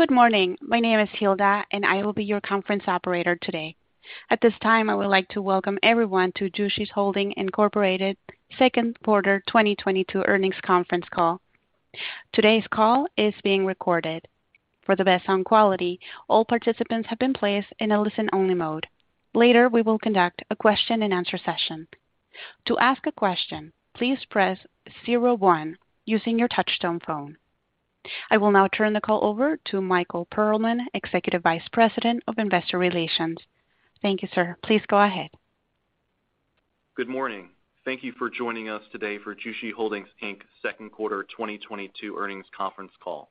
Good morning. My name is Hilda, and I will be your conference operator today. At this time, I would like to welcome everyone to Jushi Holdings Inc. Q2 2022 earnings conference call. Today's call is being recorded. For the best sound quality, all participants have been placed in a listen-only mode. Later, we will conduct a question-and-answer session. To ask a question, please press zero one using your touchtone phone. I will now turn the call over to Michael Perlman, Executive Vice President of Investor Relations. Thank you, sir. Please go ahead. Good morning. Thank you for joining us today for Jushi Holdings, Inc. Q2 2022 earnings conference call.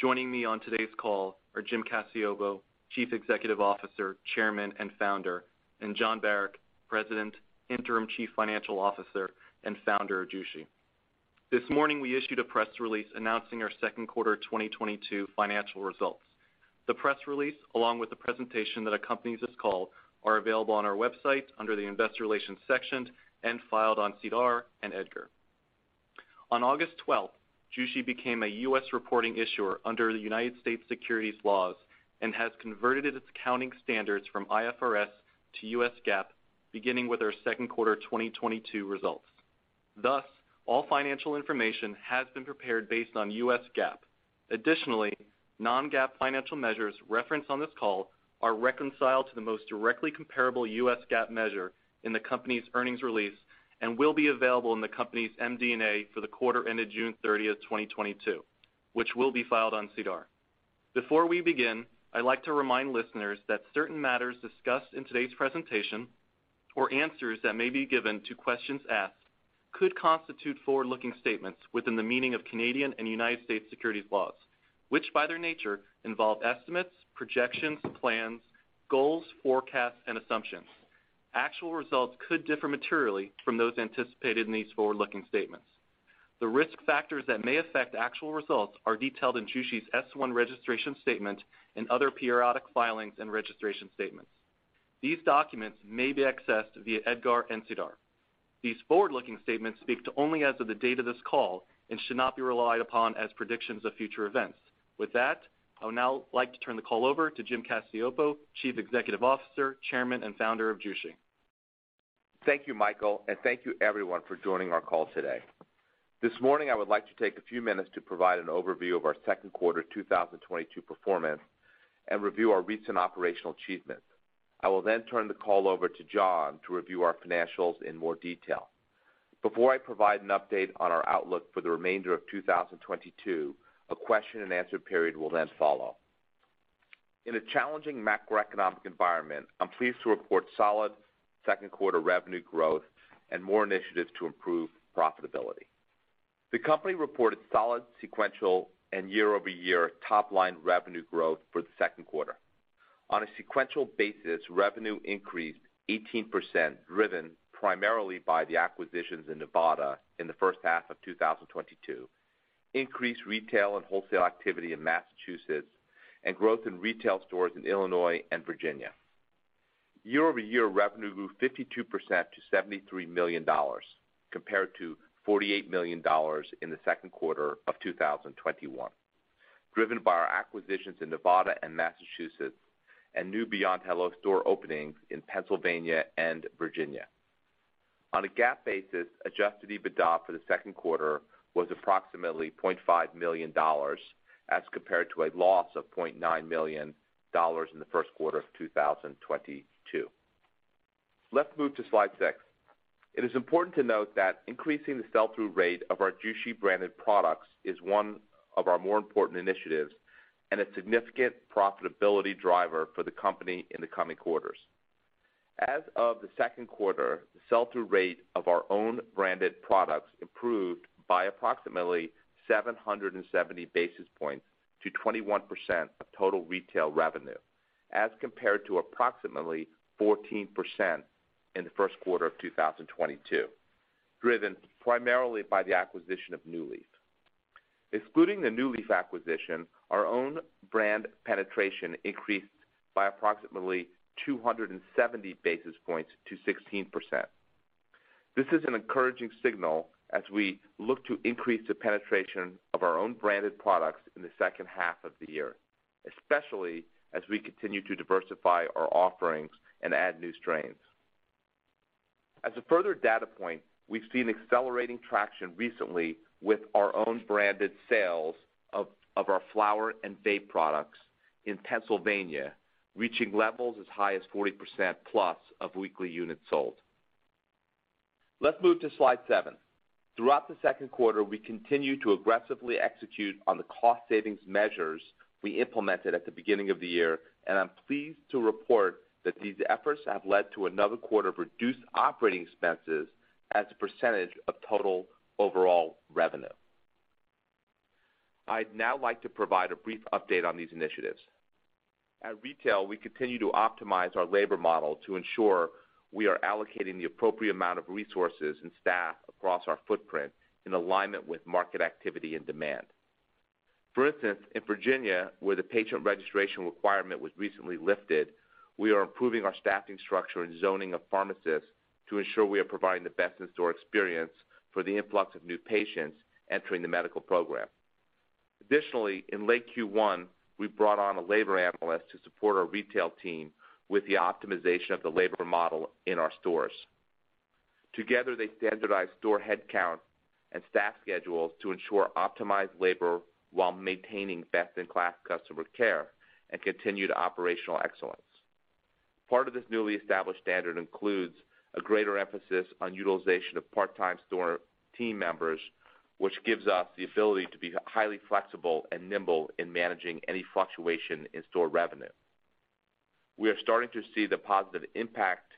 Joining me on today's call are Jim Cacioppo, Chief Executive Officer, Chairman, and Founder, and Jon Barack, President, Interim Chief Financial Officer, and Founder of Jushi. This morning, we issued a press release announcing our Q2 2022 financial results. The press release, along with the presentation that accompanies this call, are available on our website under the Investor Relations section and filed on SEDAR and EDGAR. On August 12, Jushi became a U.S. reporting issuer under the United States securities laws and has converted its accounting standards from IFRS to U.S. GAAP, beginning with our Q2 2022 results. Thus, all financial information has been prepared based on U.S. GAAP. Additionally, non-GAAP financial measures referenced on this call are reconciled to the most directly comparable U.S. GAAP measure in the company's earnings release and will be available in the company's MD&A for the quarter ended June 30, 2022, which will be filed on SEDAR. Before we begin, I'd like to remind listeners that certain matters discussed in today's presentation or answers that may be given to questions asked could constitute forward-looking statements within the meaning of Canadian and United States securities laws, which by their nature involve estimates, projections, plans, goals, forecasts, and assumptions. Actual results could differ materially from those anticipated in these forward-looking statements. The risk factors that may affect actual results are detailed in Jushi's S-1 registration statement and other periodic filings and registration statements. These documents may be accessed via EDGAR and SEDAR. These forward-looking statements speak to only as of the date of this call and should not be relied upon as predictions of future events. With that, I would now like to turn the call over to Jim Cacioppo, Chief Executive Officer, Chairman, and Founder of Jushi. Thank you, Michael, and thank you everyone for joining our call today. This morning, I would like to take a few minutes to provide an overview of our Q2 2022 performance and review our recent operational achievements. I will then turn the call over to Jon to review our financials in more detail. Before I provide an update on our outlook for the remainder of 2022, a question and answer period will then follow. In a challenging macroeconomic environment, I'm pleased to report solid Q2 revenue growth and more initiatives to improve profitability. The company reported solid sequential and year-over-year top-line revenue growth for the Q2. On a sequential basis, revenue increased 18%, driven primarily by the acquisitions in Nevada in the first half of 2022, increased retail and wholesale activity in Massachusetts, and growth in retail stores in Illinois and Virginia. Year-over-year revenue grew 52% to $73 million, compared to $48 million in the Q2 of 2021, driven by our acquisitions in Nevada and Massachusetts and new Beyond Hello store openings in Pennsylvania and Virginia. On a GAAP basis, Adjusted EBITDA for the Q2 was approximately $0.5 million, as compared to a loss of $0.9 million in the Q1 of 2022. Let's move to slide six. It is important to note that increasing the sell-through rate of our Jushi branded products is one of our more important initiatives and a significant profitability driver for the company in the coming quarters. As of the Q2, the sell-through rate of our own branded products improved by approximately 770 basis points to 21% of total retail revenue, as compared to approximately 14% in the Q1 of 2022, driven primarily by the acquisition of New Leaf. Excluding the New Leaf acquisition, our own brand penetration increased by approximately 270 basis points to 16%. This is an encouraging signal as we look to increase the penetration of our own branded products in the second half of the year, especially as we continue to diversify our offerings and add new strains. As a further data point, we've seen accelerating traction recently with our own branded sales of our flower and vape products in Pennsylvania, reaching levels as high as 40%+ of weekly units sold. Let's move to slide 7. Throughout the Q2, we continued to aggressively execute on the cost savings measures we implemented at the beginning of the year, and I'm pleased to report that these efforts have led to another quarter of reduced operating expenses as a % of total overall revenue. I'd now like to provide a brief update on these initiatives. At retail, we continue to optimize our labor model to ensure we are allocating the appropriate amount of resources and staff across our footprint in alignment with market activity and demand. For instance, in Virginia, where the patient registration requirement was recently lifted. We are improving our staffing structure and zoning of pharmacists to ensure we are providing the best in-store experience for the influx of new patients entering the medical program. Additionally, in late Q1, we brought on a labor analyst to support our retail team with the optimization of the labor model in our stores. Together, they standardized store headcount and staff schedules to ensure optimized labor while maintaining best-in-class customer care and continued operational excellence. Part of this newly established standard includes a greater emphasis on utilization of part-time store team members, which gives us the ability to be highly flexible and nimble in managing any fluctuation in store revenue. We are starting to see the positive impact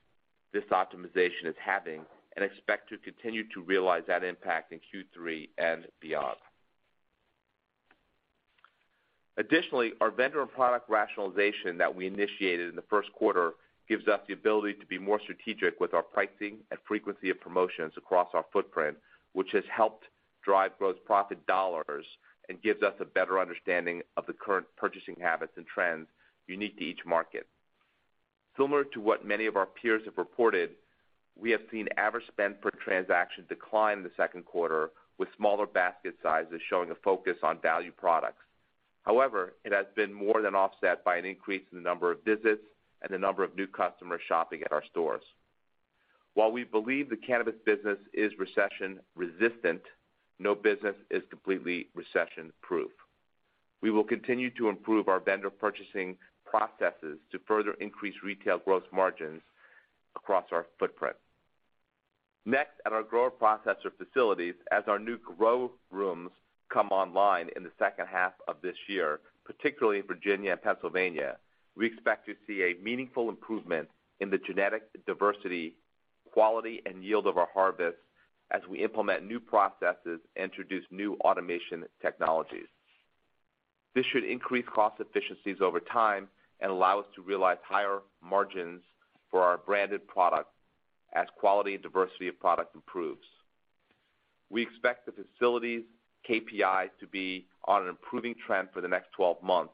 this optimization is having and expect to continue to realize that impact in Q3 and beyond. Additionally, our vendor and product rationalization that we initiated in the Q1 gives us the ability to be more strategic with our pricing and frequency of promotions across our footprint, which has helped drive gross profit dollars and gives us a better understanding of the current purchasing habits and trends unique to each market. Similar to what many of our peers have reported, we have seen average spend per transaction decline in the Q2, with smaller basket sizes showing a focus on value products. However, it has been more than offset by an increase in the number of visits and the number of new customers shopping at our stores. While we believe the cannabis business is recession-resistant, no business is completely recession-proof. We will continue to improve our vendor purchasing processes to further increase retail gross margins across our footprint. Next, at our grower processor facilities, as our new grow rooms come online in the second half of this year, particularly in Virginia and Pennsylvania, we expect to see a meaningful improvement in the genetic diversity, quality, and yield of our harvests as we implement new processes and introduce new automation technologies. This should increase cost efficiencies over time and allow us to realize higher margins for our branded product as quality and diversity of product improves. We expect the facility's KPI to be on an improving trend for the next twelve months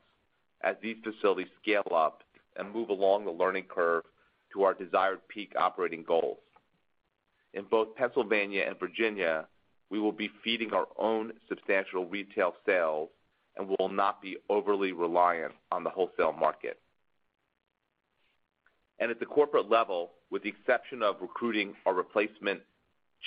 as these facilities scale up and move along the learning curve to our desired peak operating goals. In both Pennsylvania and Virginia, we will be feeding our own substantial retail sales and will not be overly reliant on the wholesale market. At the corporate level, with the exception of recruiting a replacement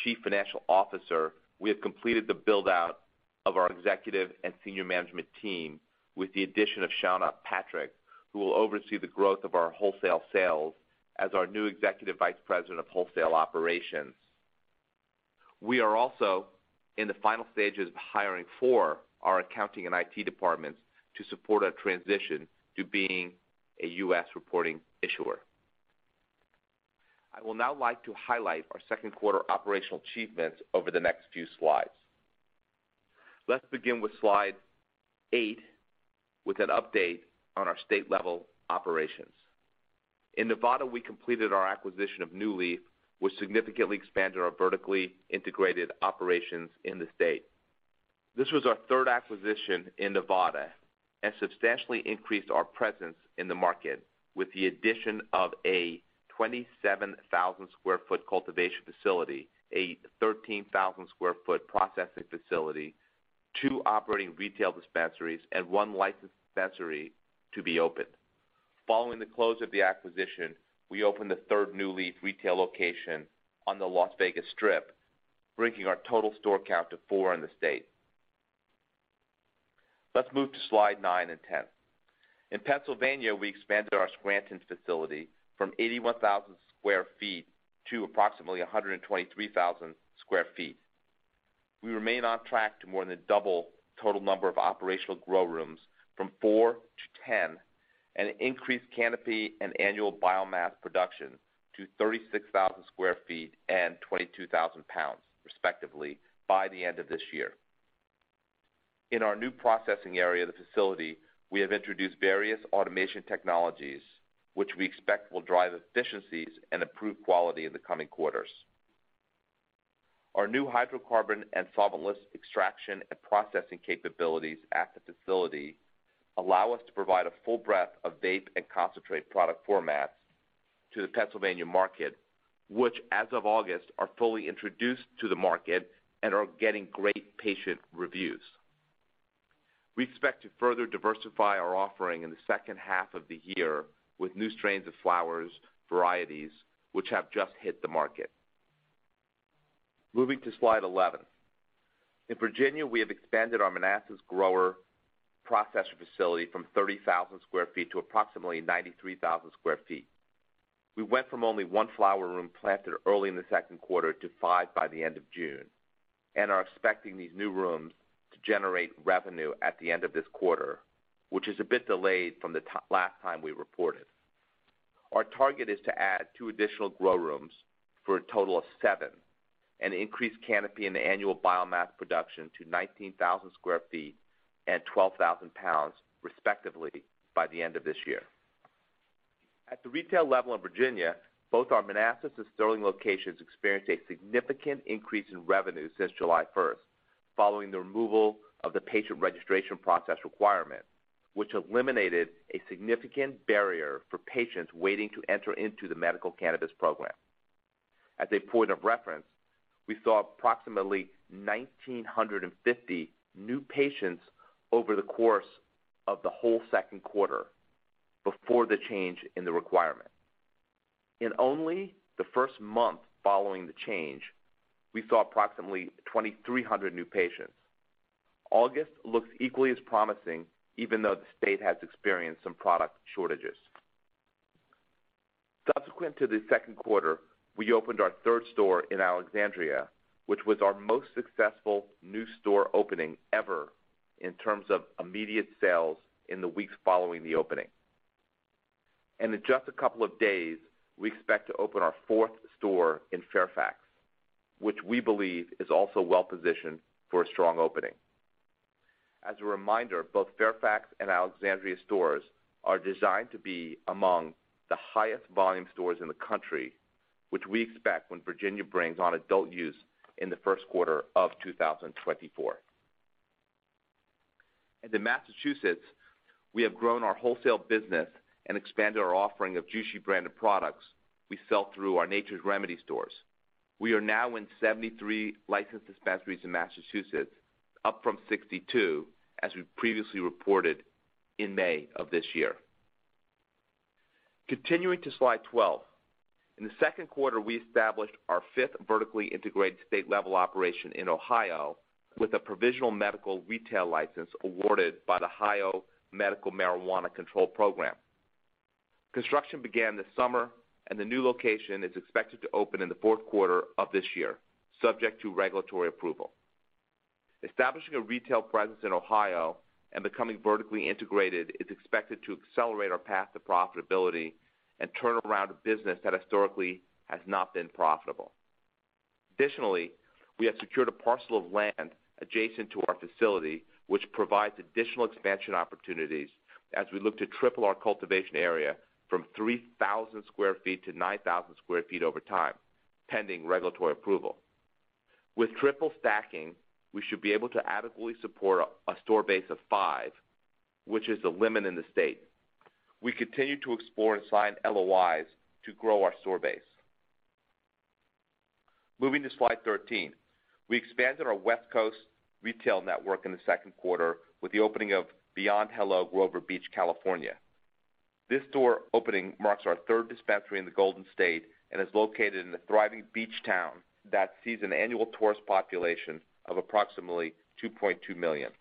chief financial officer, we have completed the build-out of our executive and senior management team with the addition of Shaunna Patrick, who will oversee the growth of our wholesale sales as our new Executive Vice President of Wholesale Operations. We are also in the final stages of hiring for our accounting and IT departments to support our transition to being a U.S. reporting issuer. I would now like to highlight our second-quarter operational achievements over the next few slides. Let's begin with slide 8, with an update on our state-level operations. In Nevada, we completed our acquisition of New Leaf, which significantly expanded our vertically integrated operations in the state. This was our third acquisition in Nevada and substantially increased our presence in the market, with the addition of a 27,000 sq ft cultivation facility, a 13,000 sq ft processing facility, two operating retail dispensaries, and 1 licensed dispensary to be opened. Following the close of the acquisition, we opened the third New Leaf retail location on the Las Vegas Strip, bringing our total store count to four in the state. Let's move to slide 9 and 10. In Pennsylvania, we expanded our Scranton facility from 81,000 sq ft to approximately 123,000 sq ft. We remain on track to more than double total number of operational grow rooms from 4 to 10 and increase canopy and annual biomass production to 36,000 sq ft and 22,000 pounds, respectively, by the end of this year. In our new processing area of the facility, we have introduced various automation technologies, which we expect will drive efficiencies and improve quality in the coming quarters. Our new hydrocarbon and solventless extraction and processing capabilities at the facility allow us to provide a full breadth of vape and concentrate product formats to the Pennsylvania market, which, as of August, are fully introduced to the market and are getting great patient reviews. We expect to further diversify our offering in the second half of the year with new strains of flowers, varieties which have just hit the market. Moving to slide 11. In Virginia, we have expanded our Manassas grower processor facility from 30,000 sq ft to approximately 93,000 sq ft. We went from only 1 flower room planted early in the Q2 to 5 by the end of June and are expecting these new rooms to generate revenue at the end of this quarter, which is a bit delayed from last time we reported. Our target is to add 2 additional grow rooms for a total of 7 and increase canopy in the annual biomass production to 19,000 sq ft and 12,000 pounds, respectively, by the end of this year. At the retail level in Virginia, both our Manassas and Sterling locations experienced a significant increase in revenue since July 1st. Following the removal of the patient registration process requirement, which eliminated a significant barrier for patients waiting to enter into the medical cannabis program. As a point of reference, we saw approximately 1,950 new patients over the course of the whole Q2 before the change in the requirement. In only the first month following the change, we saw approximately 2,300 new patients. August looks equally as promising, even though the state has experienced some product shortages. Subsequent to the Q2, we opened our third store in Alexandria, which was our most successful new store opening ever in terms of immediate sales in the weeks following the opening. In just a couple of days, we expect to open our fourth store in Fairfax, which we believe is also well-positioned for a strong opening. As a reminder, both Fairfax and Alexandria stores are designed to be among the highest volume stores in the country, which we expect when Virginia brings on adult use in the Q1 of 2024. In Massachusetts, we have grown our wholesale business and expanded our offering of Jushi branded products we sell through our Nature's Remedy stores. We are now in 73 licensed dispensaries in Massachusetts, up from 62 as we previously reported in May of this year. Continuing to slide 12. In the Q2, we established our fifth vertically integrated state-level operation in Ohio with a provisional medical retail license awarded by the Ohio Medical Marijuana Control Program. Construction began this summer, and the new location is expected to open in the Q4 of this year, subject to regulatory approval. Establishing a retail presence in Ohio and becoming vertically integrated is expected to accelerate our path to profitability and turn around a business that historically has not been profitable. Additionally, we have secured a parcel of land adjacent to our facility, which provides additional expansion opportunities as we look to triple our cultivation area from 3,000 sq ft to 9,000 sq ft over time, pending regulatory approval. With triple stacking, we should be able to adequately support a store base of 5, which is the limit in the state. We continue to explore and sign LOIs to grow our store base. Moving to slide 13. We expanded our West Coast retail network in the Q2 with the opening of Beyond Hello Grover Beach, California. This store opening marks our third dispensary in the Golden State and is located in a thriving beach town that sees an annual tourist population of approximately 2.2 million.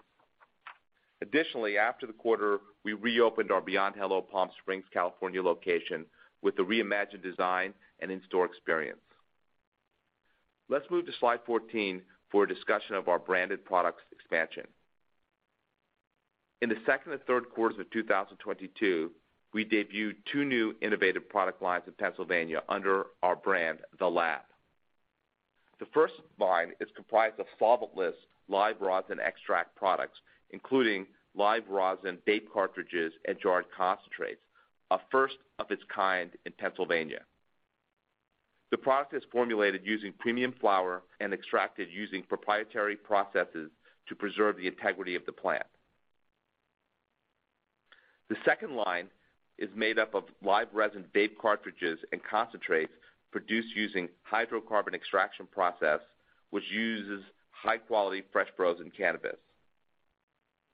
Additionally, after the quarter, we reopened our Beyond Hello Palm Springs, California location with a reimagined design and in-store experience. Let's move to slide 14 for a discussion of our branded products expansion. In the second and Q3s of 2022, we debuted 2 new innovative product lines in Pennsylvania under our brand, The Lab. The first line is comprised of solventless live rosin extract products, including live rosin vape cartridges and jarred concentrates, a first of its kind in Pennsylvania. The product is formulated using premium flower and extracted using proprietary processes to preserve the integrity of the plant. The second line is made up of live resin vape cartridges and concentrates produced using hydrocarbon extraction process, which uses high-quality, fresh-frozen cannabis.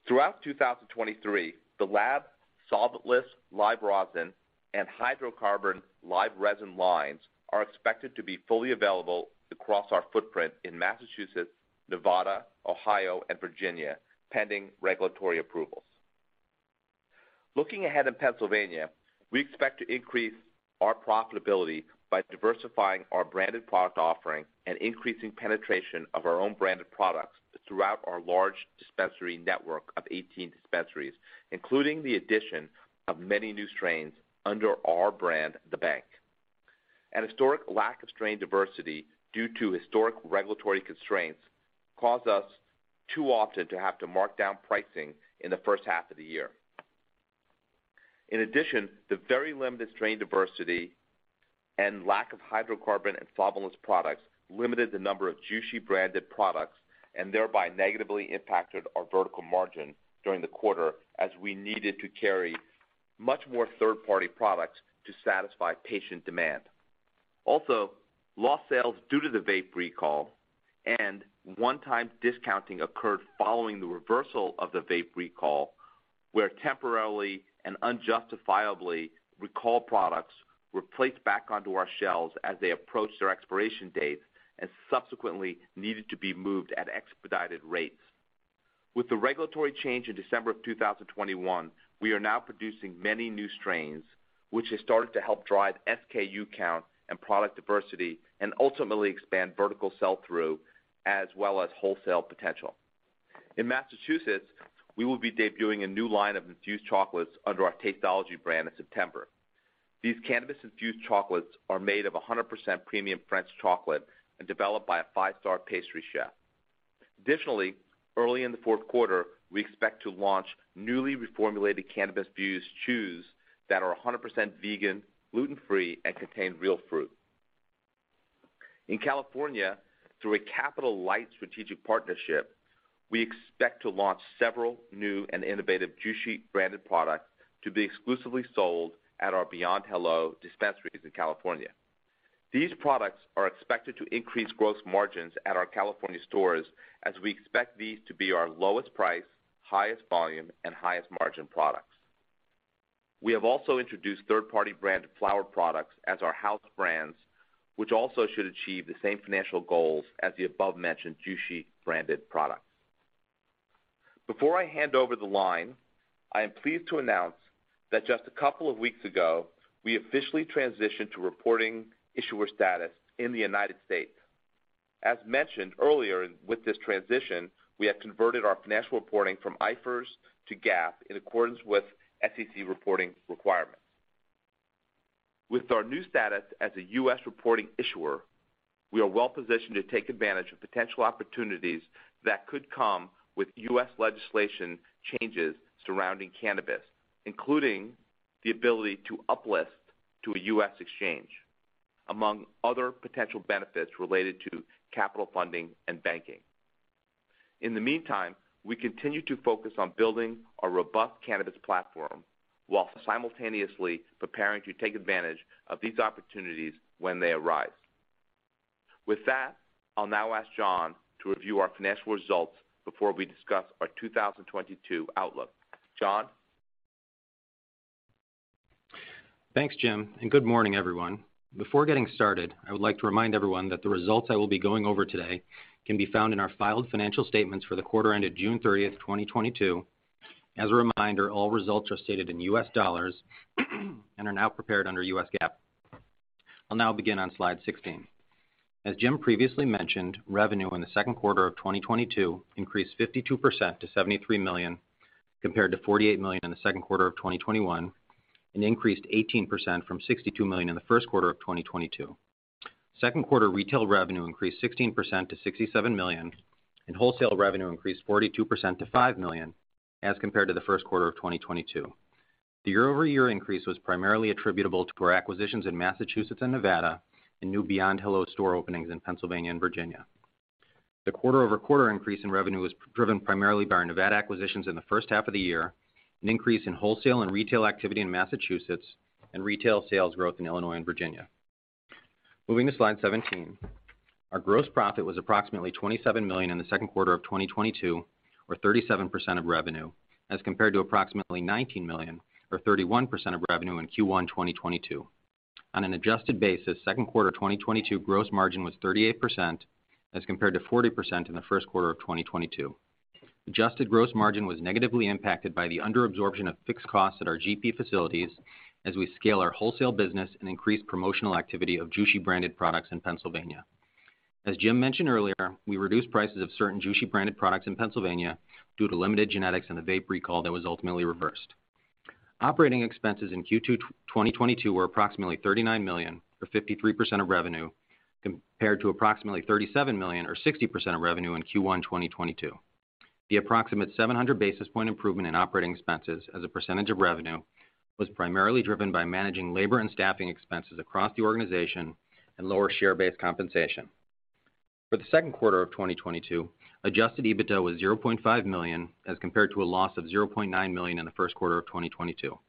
Throughout 2023, The Lab solventless live rosin and hydrocarbon live resin lines are expected to be fully available across our footprint in Massachusetts, Nevada, Ohio, and Virginia, pending regulatory approvals. Looking ahead in Pennsylvania, we expect to increase our profitability by diversifying our branded product offering and increasing penetration of our own branded products throughout our large dispensary network of 18 dispensaries, including the addition of many new strains under our brand, The Bank. An historic lack of strain diversity due to historic regulatory constraints caused us too often to have to mark down pricing in the first half of the year. In addition, the very limited strain diversity and lack of hydrocarbon and solventless products limited the number of Jushi-branded products and thereby negatively impacted our vertical margin during the quarter as we needed to carry much more third-party products to satisfy patient demand. Also, lost sales due to the vape recall and one-time discounting occurred following the reversal of the vape recall, where temporarily and unjustifiably recalled products were placed back onto our shelves as they approached their expiration dates and subsequently needed to be moved at expedited rates. With the regulatory change in December 2021, we are now producing many new strains, which has started to help drive SKU count and product diversity and ultimately expand vertical sell-through as well as wholesale potential. In Massachusetts, we will be debuting a new line of infused chocolates under our Tasteology brand in September. These cannabis-infused chocolates are made of 100% premium French chocolate and developed by a five-star pastry chef. Additionally, early in the Q4, we expect to launch newly reformulated cannabis-infused chews that are 100% vegan, gluten-free, and contain real fruit. In California, through a capital-light strategic partnership, we expect to launch several new and innovative Jushi-branded products to be exclusively sold at our Beyond Hello dispensaries in California. These products are expected to increase gross margins at our California stores as we expect these to be our lowest price, highest volume, and highest margin products. We have also introduced third-party brand flower products as our house brands, which also should achieve the same financial goals as the above-mentioned Jushi-branded products. Before I hand over the line, I am pleased to announce that just a couple of weeks ago, we officially transitioned to reporting issuer status in the United States. As mentioned earlier, with this transition, we have converted our financial reporting from IFRS to GAAP in accordance with SEC reporting requirements. With our new status as a U.S. reporting issuer, we are well-positioned to take advantage of potential opportunities that could come with U.S. legislation changes surrounding cannabis, including the ability to up-list to a U.S. exchange, among other potential benefits related to capital funding and banking. In the meantime, we continue to focus on building a robust cannabis platform while simultaneously preparing to take advantage of these opportunities when they arise. With that, I'll now ask Jon Barack to review our financial results before we discuss our 2022 outlook. Jon Barack? Thanks, Jim, and good morning, everyone. Before getting started, I would like to remind everyone that the results I will be going over today can be found in our filed financial statements for the quarter ended June 30, 2022. As a reminder, all results are stated in U.S. dollars and are now prepared under U.S. GAAP. I'll now begin on slide 16. As Jim previously mentioned, revenue in the Q2 of 2022 increased 52% to $73 million, compared to $48 million in the Q2 of 2021, and increased 18% from $62 million in the Q1 of 2022. Q2 retail revenue increased 16% to $67 million, and wholesale revenue increased 42% to $5 million, as compared to the Q1 of 2022. The year-over-year increase was primarily attributable to our acquisitions in Massachusetts and Nevada and new Beyond Hello store openings in Pennsylvania and Virginia. The quarter-over-quarter increase in revenue was driven primarily by our Nevada acquisitions in the first half of the year, an increase in wholesale and retail activity in Massachusetts, and retail sales growth in Illinois and Virginia. Moving to slide 17. Our gross profit was approximately $27 million in the Q2 of 2022, or 37% of revenue, as compared to approximately $19 million or 31% of revenue in Q1 2022. On an adjusted basis, Q2 2022 gross margin was 38% as compared to 40% in the Q1 of 2022. Adjusted gross margin was negatively impacted by the under absorption of fixed costs at our GP facilities as we scale our wholesale business and increase promotional activity of Jushi-branded products in Pennsylvania. As Jim mentioned earlier, we reduced prices of certain Jushi-branded products in Pennsylvania due to limited genetics and the vape recall that was ultimately reversed. Operating expenses in Q2 2022 were approximately $39 million, or 53% of revenue, compared to approximately $37 million, or 60% of revenue in Q1 2022. The approximate 700 basis point improvement in operating expenses as a percentage of revenue was primarily driven by managing labor and staffing expenses across the organization and lower share-based compensation. For the Q2 of 2022, Adjusted EBITDA was $0.5 million as compared to a loss of $0.9 million in the Q1 of 2022.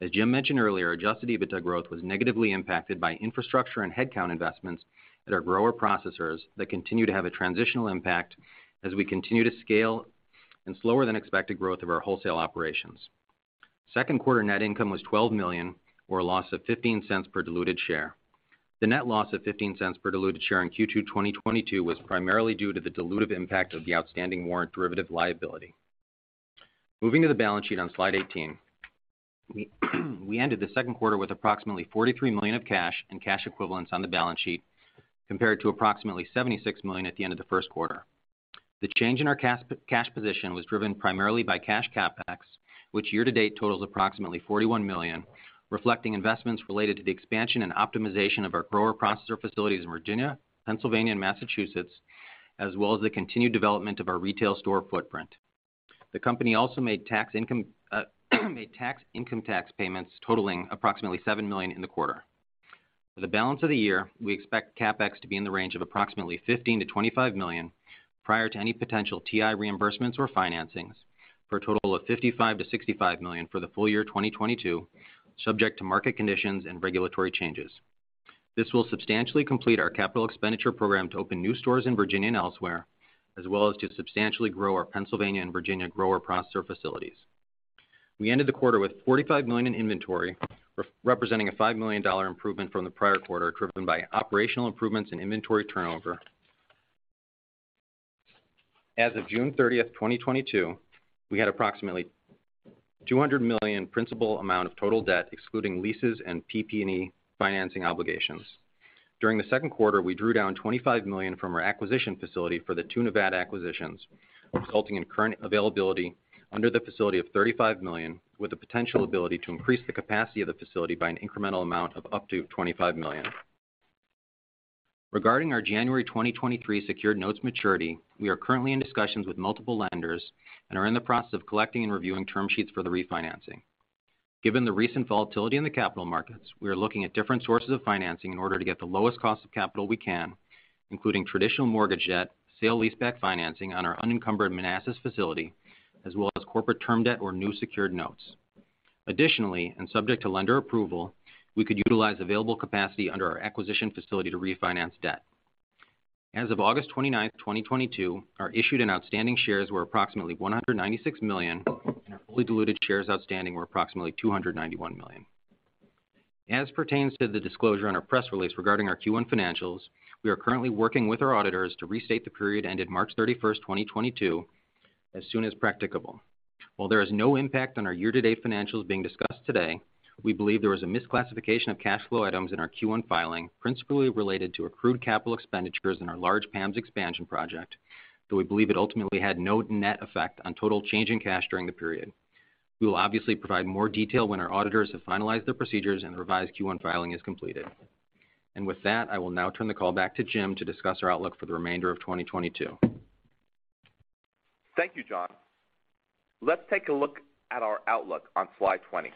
As Jim mentioned earlier, adjusted EBITDA growth was negatively impacted by infrastructure and headcount investments at our grower processors that continue to have a transitional impact as we continue to scale and slower than expected growth of our wholesale operations. Q2 net loss was $12 million or a loss of $0.15 per diluted share. The net loss of $0.15 per diluted share in Q2 2022 was primarily due to the dilutive impact of the outstanding warrant derivative liability. Moving to the balance sheet on slide 18. We ended the Q2 with approximately $43 million of cash and cash equivalents on the balance sheet, compared to approximately $76 million at the end of the Q1. The change in our cash position was driven primarily by cash CapEx, which year-to-date totals approximately $41 million, reflecting investments related to the expansion and optimization of our grower processor facilities in Virginia, Pennsylvania, and Massachusetts, as well as the continued development of our retail store footprint. The company also made income tax payments totaling approximately $7 million in the quarter. For the balance of the year, we expect CapEx to be in the range of approximately $15 million-$25 million prior to any potential TI reimbursements or financings, for a total of $55 million-$65 million for the full year 2022, subject to market conditions and regulatory changes. This will substantially complete our capital expenditure program to open new stores in Virginia and elsewhere, as well as to substantially grow our Pennsylvania and Virginia grower processor facilities. We ended the quarter with $45 million in inventory, representing a $5 million improvement from the prior quarter, driven by operational improvements and inventory turnover. As of June thirtieth, 2022, we had approximately $200 million principal amount of total debt, excluding leases and PP&E financing obligations. During the Q2, we drew down $25 million from our acquisition facility for the two Nevada acquisitions, resulting in current availability under the facility of $35 million, with the potential ability to increase the capacity of the facility by an incremental amount of up to $25 million. Regarding our January 2023 secured notes maturity, we are currently in discussions with multiple lenders and are in the process of collecting and reviewing term sheets for the refinancing. Given the recent volatility in the capital markets, we are looking at different sources of financing in order to get the lowest cost of capital we can, including traditional mortgage debt, sale-leaseback financing on our unencumbered Manassas facility, as well as corporate term debt or new secured notes. Additionally, and subject to lender approval, we could utilize available capacity under our acquisition facility to refinance debt. As of August 29, 2022, our issued and outstanding shares were approximately 196 million, and our fully diluted shares outstanding were approximately 291 million. As pertains to the disclosure on our press release regarding our Q1 financials, we are currently working with our auditors to restate the period ended March 31, 2022 as soon as practicable. While there is no impact on our year-to-date financials being discussed today, we believe there was a misclassification of cash flow items in our Q1 filing, principally related to accrued capital expenditures in our large Pennsylvania expansion project, though we believe it ultimately had no net effect on total change in cash during the period. We will obviously provide more detail when our auditors have finalized their procedures and the revised Q1 filing is completed. With that, I will now turn the call back to Jim to discuss our outlook for the remainder of 2022. Thank you, Jon. Let's take a look at our outlook on slide 20.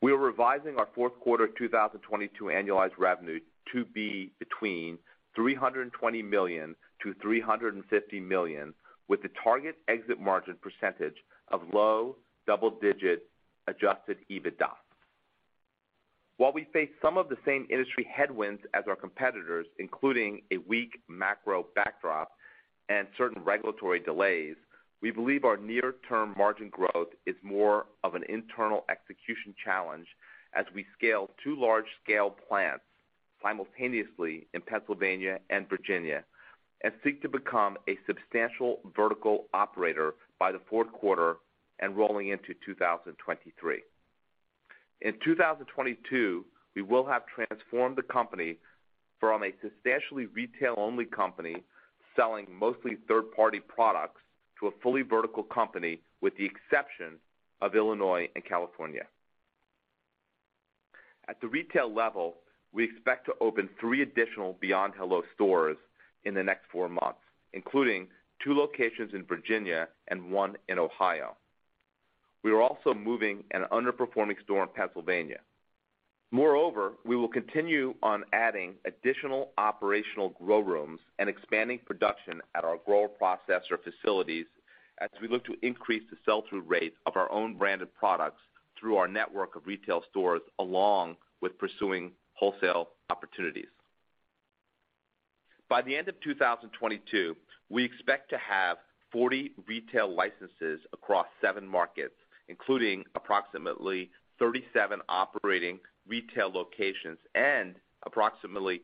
We are revising our Q4 2022 annualized revenue to be between $320-$350 million, with a target exit margin percentage of low double-digit Adjusted EBITDA. While we face some of the same industry headwinds as our competitors, including a weak macro backdrop and certain regulatory delays, we believe our near-term margin growth is more of an internal execution challenge as we scale two large-scale plants simultaneously in Pennsylvania and Virginia and seek to become a substantial vertical operator by the Q4 and rolling into 2023. In 2022, we will have transformed the company from a substantially retail-only company selling mostly third-party products to a fully vertical company, with the exception of Illinois and California. At the retail level, we expect to open three additional Beyond Hello stores in the next four months, including two locations in Virginia and one in Ohio. We are also moving an underperforming store in Pennsylvania. Moreover, we will continue on adding additional operational grow rooms and expanding production at our grower processor facilities as we look to increase the sell-through rate of our own branded products through our network of retail stores, along with pursuing wholesale opportunities. By the end of 2022, we expect to have 40 retail licenses across seven markets, including approximately 37 operating retail locations and approximately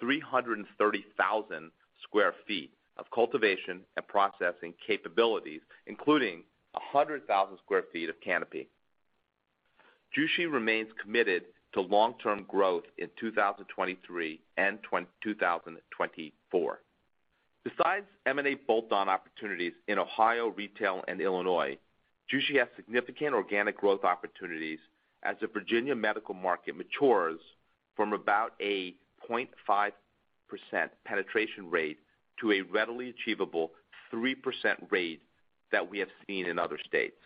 330,000 sq ft of cultivation and processing capabilities, including 100,000 sq ft of canopy. Jushi remains committed to long-term growth in 2023 and 2024. Besides M&A bolt-on opportunities in Ohio retail and Illinois, Jushi has significant organic growth opportunities as the Virginia medical market matures from about a 0.5% penetration rate to a readily achievable 3% rate that we have seen in other states.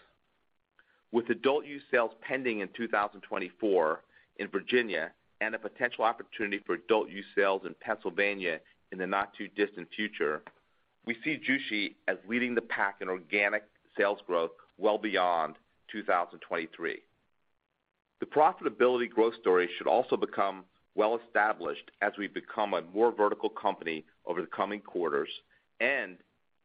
With adult use sales pending in 2024 in Virginia and a potential opportunity for adult use sales in Pennsylvania in the not-too-distant future, we see Jushi as leading the pack in organic sales growth well beyond 2023. The profitability growth story should also become well established as we become a more vertical company over the coming quarters and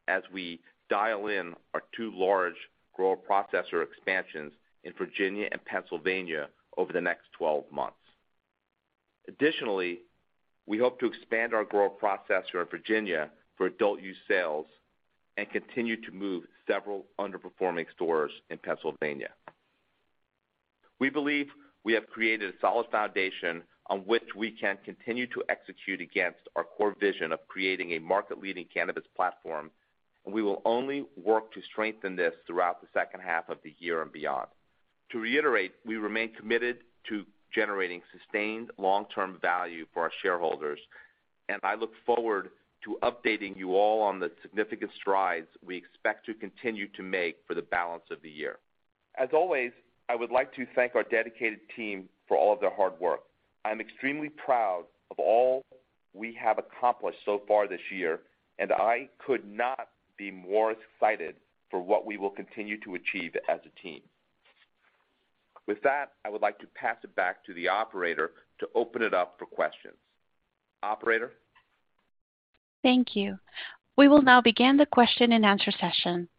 as we dial in our two large grower processor expansions in Virginia and Pennsylvania over the next 12 months. Additionally, we hope to expand our grower processor in Virginia for adult use sales and continue to move several underperforming stores in Pennsylvania. We believe we have created a solid foundation on which we can continue to execute against our core vision of creating a market-leading cannabis platform, and we will only work to strengthen this throughout the second half of the year and beyond. To reiterate, we remain committed to generating sustained long-term value for our shareholders, and I look forward to updating you all on the significant strides we expect to continue to make for the balance of the year. As always, I would like to thank our dedicated team for all of their hard work. I am extremely proud of all we have accomplished so far this year, and I could not be more excited for what we will continue to achieve as a team. With that, I would like to pass it back to the operator to open it up for questions. Operator? Thank you. We will now begin the question and answer session.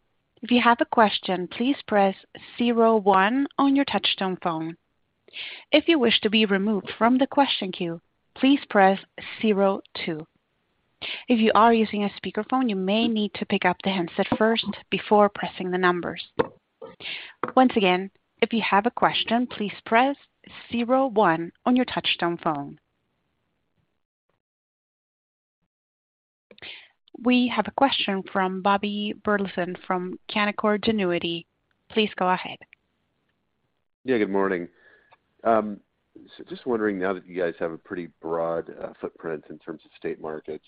If you have a question, please press zero one on your touchtone phone. If you wish to be removed from the question queue, please press zero two. If you are using a speakerphone, you may need to pick up the handset first before pressing the numbers. Once again, if you have a question, please press zero one on your touchtone phone. We have a question from Bobby Burleson from Canaccord Genuity. Please go ahead. Yeah, good morning. Just wondering now that you guys have a pretty broad footprint in terms of state markets,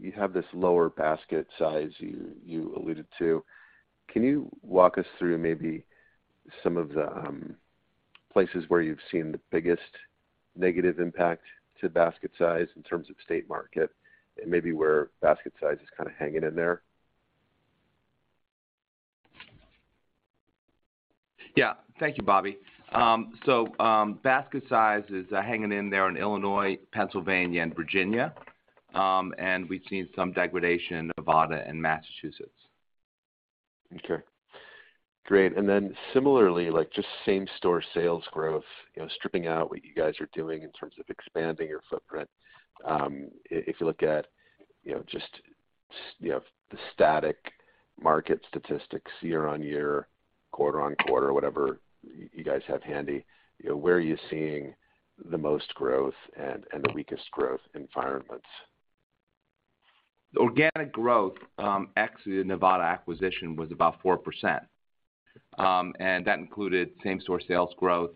you have this lower basket size you alluded to. Can you walk us through maybe some of the places where you've seen the biggest negative impact to basket size in terms of state market and maybe where basket size is kind of hanging in there? Yeah. Thank you, Bobby. Basket size is hanging in there in Illinois, Pennsylvania, and Virginia. We've seen some degradation in Nevada and Massachusetts. Okay. Great. Similarly, like just same-store sales growth stripping out what you guys are doing in terms of expanding your footprint, if you look at just the static market statistics year-on-year, quarter-on-quarter, whatever you guys have handy where are you seeing the most growth and the weakest growth environments? Organic growth, ex the Nevada acquisition, was about 4%. That included same-store sales growth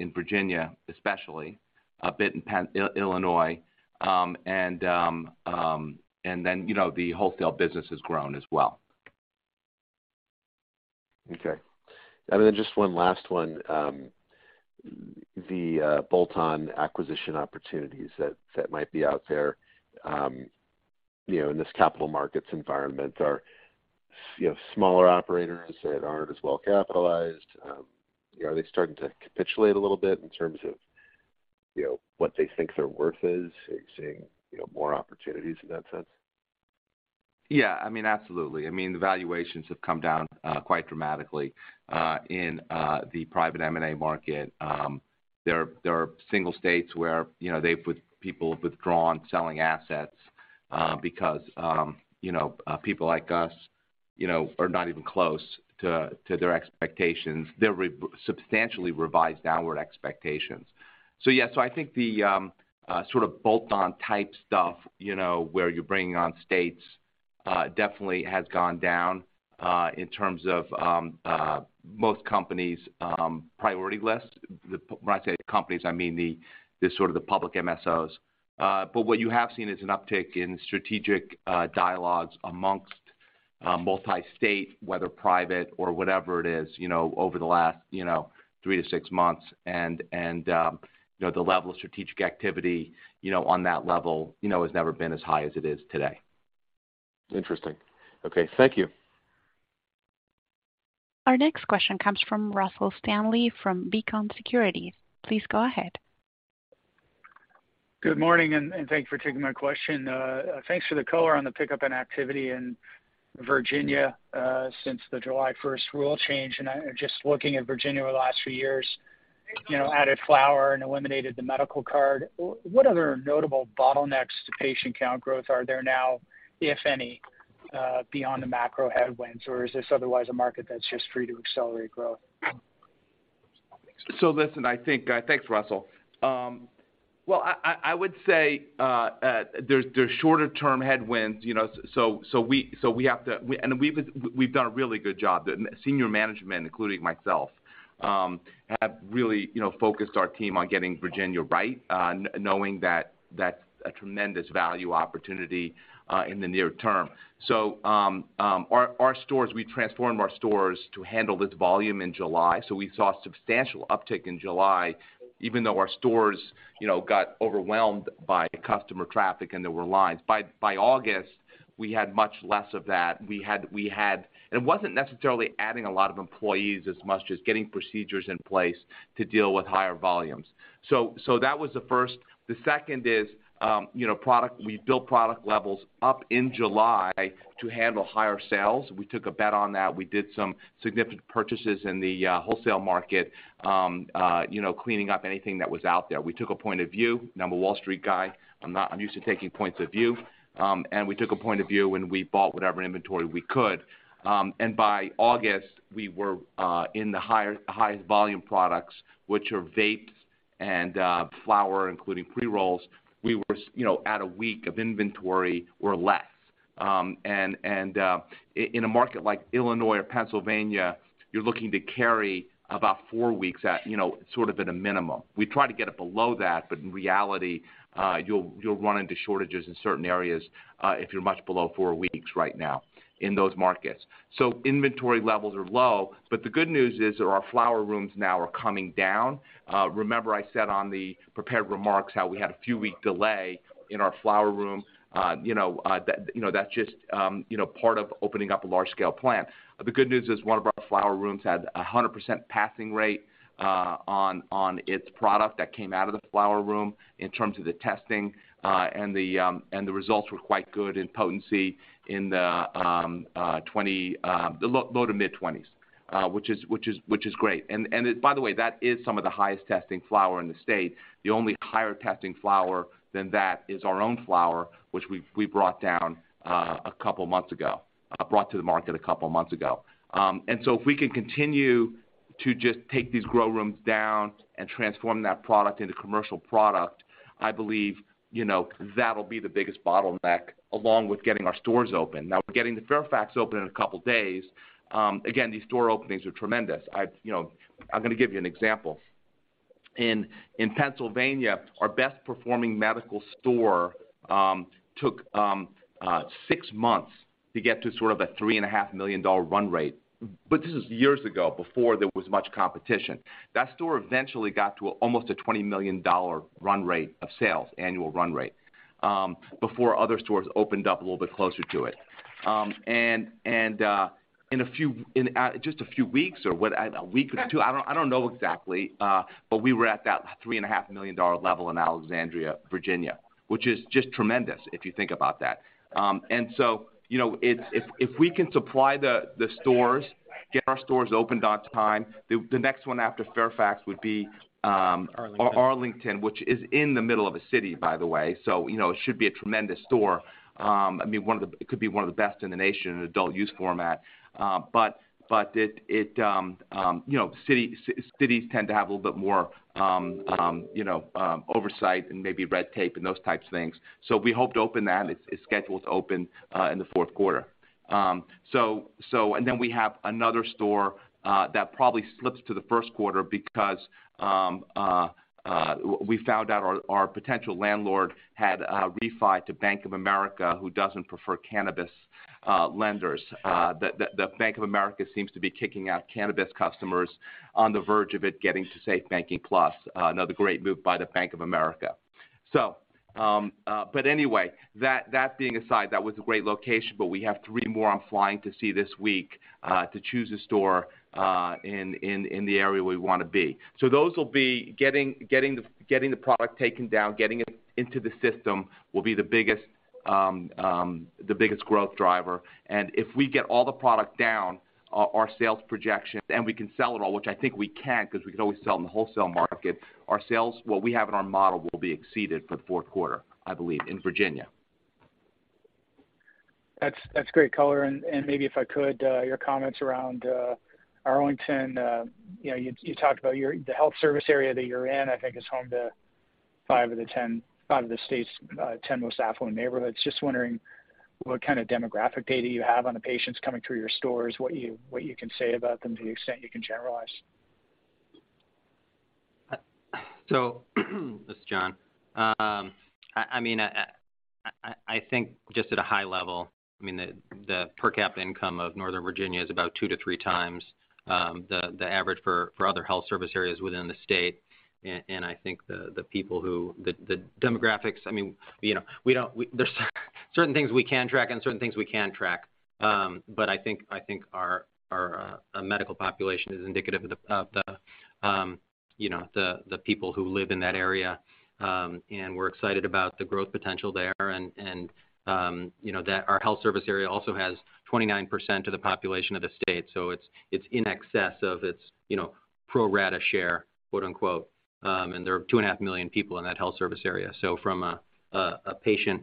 in Virginia, especially, a bit in Illinois, and then the wholesale business has grown as well. Okay. Just one last one. The bolt-on acquisition opportunities that might be out there in this capital markets environment are smaller operators that aren't as well capitalized. Are they starting to capitulate a little bit in terms of what they think their worth is? Are you seeing more opportunities in that sense? Yeah, I mean, absolutely. I mean, the valuations have come down quite dramatically in the private M&A market. There are single states where people have withdrawn selling assets because people like us are not even close to their expectations, substantially revised downward expectations. Yeah, so I think the sort of bolt-on type stuff where you're bringing on states definitely has gone down in terms of most companies' priority list. When I say companies, I mean the sort of public MSOs. What you have seen is an uptick in strategic dialogues among multi-state, whether private or whatever it is over the last 3-6 months. The level of strategic activity on that level has never been as high as it is today. Interesting. Okay. Thank you. Our next question comes from Russell Stanley from B. Riley Securities. Please go ahead. Good morning, and thank you for taking my question. Thanks for the color on the pickup in activity in Virginia since the July first rule change. I'm just looking at Virginia over the last few years added flower and eliminated the medical card. What other notable bottlenecks to patient count growth are there now, if any, beyond the macro headwinds, or is this otherwise a market that's just free to accelerate growth? Listen, I think, thanks, Russell. Well, I would say there's shorter-term headwinds so we have to. We've done a really good job. The senior management, including myself, have really focused our team on getting Virginia right, knowing that that's a tremendous value opportunity in the near term. Our stores, we transformed our stores to handle this volume in July, so we saw substantial uptick in July, even though our stores got overwhelmed by customer traffic, and there were lines. By August, we had much less of that. We had. It wasn't necessarily adding a lot of employees as much as getting procedures in place to deal with higher volumes. That was the first. The second is product. We built product levels up in July to handle higher sales. We took a bet on that. We did some significant purchases in the wholesale market cleaning up anything that was out there. We took a point of view. Now, I'm a Wall Street guy. I'm used to taking points of view. We took a point of view, and we bought whatever inventory we could. By August, we were in the higher, highest volume products, which are vapes and flower, including pre-rolls. We were at a week of inventory or less. In a market like Illinois or Pennsylvania, you're looking to carry about four weeks at sort of at a minimum. We try to get it below that, but in reality, you'll run into shortages in certain areas if you're much below four weeks right now in those markets. Inventory levels are low, but the good news is our flower rooms now are coming down. Remember I said on the prepared remarks how we had a few week delay in our flower room. That's just part of opening up a large-scale plant. The good news is one of our flower rooms had 100% passing rate on its product that came out of the flower room in terms of the testing, and the results were quite good in potency in the low- to mid-20s, which is great. By the way, that is some of the highest testing flower in the state. The only higher testing flower than that is our own flower, which we brought down a couple months ago, brought to the market a couple months ago. If we can continue to just take these grow rooms down and transform that product into commercial product, I believe that'll be the biggest bottleneck, along with getting our stores open. Now, we're getting the Fairfax open in a couple days. Again, these store openings are tremendous. i I'm going to give you an example. In Pennsylvania, our best performing medical store took six months to get to sort of a $3.5 million run rate. This is years ago, before there was much competition. That store eventually got to almost a $20 million run rate of sales, annual run rate, before other stores opened up a little bit closer to it. In just a few weeks or a week or two, I don't know exactly, but we were at that $3.5 million level in Alexandria, Virginia, which is just tremendous if you think about that. If we can supply the stores, get our stores opened on time, the next one after Fairfax would be, Arlington Arlington, which is in the middle of a city, by the way. It should be a tremendous store. I mean, it could be one of the best in the nation in adult use format. But it cities tend to have a little bit more oversight and maybe red tape and those types of things. We hope to open that. It's scheduled to open in the Q4. And then we have another store that probably slips to the Q1 because we found out our potential landlord had refinanced with Bank of America, who doesn't prefer cannabis lenders. Sure. Bank of America seems to be kicking out cannabis customers on the verge of it getting to SAFE Banking Plus, another great move by Bank of America. That being aside, that was a great location, but we have three more I'm flying to see this week to choose a store in the area we want to be. Those will be getting the product taken down. Getting it into the system will be the biggest growth driver. If we get all the product down, our sales projection, and we can sell it all, which I think we can, because we can always sell in the wholesale market, our sales, what we have in our model, will be exceeded for the Q4, I believe, in Virginia. That's great color. Maybe if I could your comments around arlington you talked about the health service area that you're in, I think is home to 5 of the 10, 5 of the state's 10 most affluent neighborhoods. Just wondering what kind of demographic data you have on the patients coming through your stores, what you can say about them to the extent you can generalize. This is Jon. I mean, I think just at a high level, I mean, the per capita income of Northern Virginia is about two to three times the average for other health service areas within the state. I think the demographics, I mean there's certain things we can track and certain things we can't track. I think our medical population is indicative of the you know the people who live in that area. We're excited about the growth potential there and you know that our health service area also has 29% of the population of the state, so it's in excess of its you know pro rata share, quote, unquote. There are 2.5 million people in that health service area. From a patient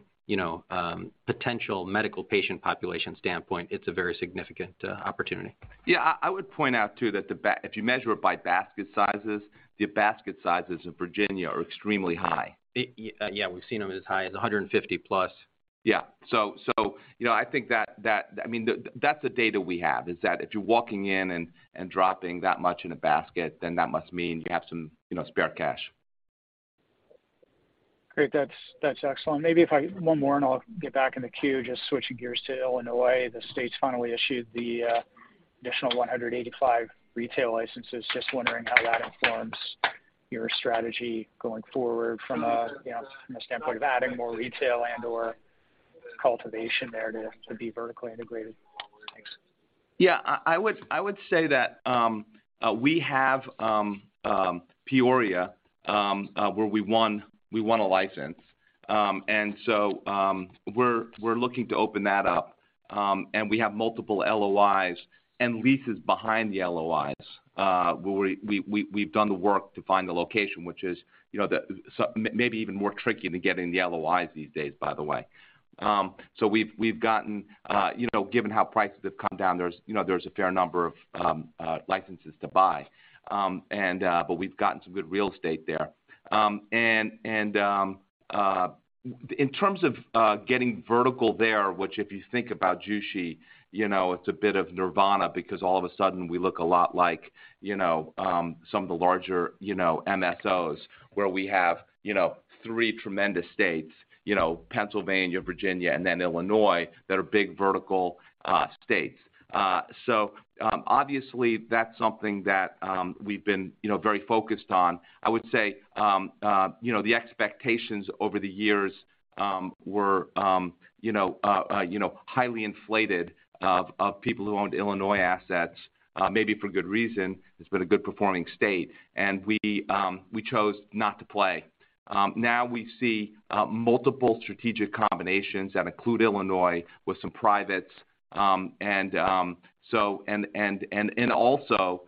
potential medical patient population standpoint, it's a very significant opportunity. Yeah. I would point out, too, that if you measure it by basket sizes, the basket sizes of Virginia are extremely high. We've seen them as high as 150+. Yeah. I think that I mean, that's the data we have is that if you're walking in and dropping that much in a basket, then that must mean you have some spare cash. Great. That's excellent. Maybe one more and I'll get back in the queue. Just switching gears to Illinois, the state's finally issued the additional 185 retail licenses. Just wondering how that informs your strategy going forward from a standpoint of adding more retail and/or cultivation there to be vertically integrated forward. Thanks. Yeah. I would say that we have Peoria, where we won a license. We're looking to open that up. We have multiple LOIs and leases behind the LOIs where we've done the work to find the location, which is maybe even more tricky than getting the LOIs these days, by the way. We've gotten given how prices have come down, there's a fair number of licenses to buy. We've gotten some good real estate there. In terms of getting vertical there, which if you think about jushi it's a bit of nirvana because all of a sudden we look a lot like some of the larger MSOs, where we have three tremendous states Pennsylvania, Virginia, and then Illinois, that are big vertical states. Obviously, that's something that we've been very focused on. I would say the expectations over the years were highly inflated of people who owned Illinois assets, maybe for good reason. It's been a good performing state, and we chose not to play. Now we see multiple strategic combinations that include Illinois with some privates, and also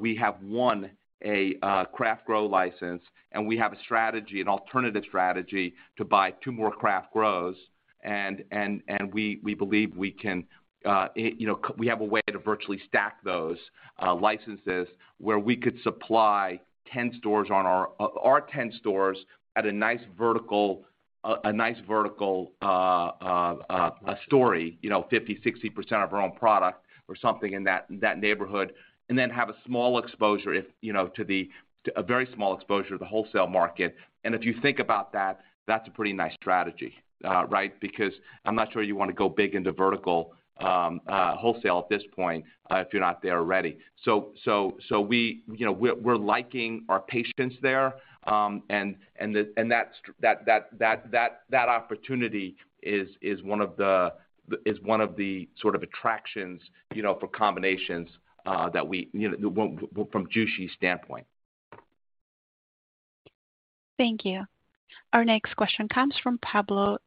we have won a craft grow license, and we have a strategy, an alternative strategy to buy 2 more craft grows. We believe we can we have a way to virtually stack those licenses where we could supply 10 stores on our 10 stores at a nice vertical, a nice vertical story 50% to 60% of our own product or something in that neighborhood, and then have a small exposure, a very small exposure to the wholesale market. If you think about that's a pretty nice strategy, right? Because I'm not sure you want to go big into vertical, wholesale at this point, if you're not there already. we we're liking our position there, and that opportunity is one of the sort of attractions for combinations, that we from Jushi's standpoint. Thank you. Our next question comes from Pablo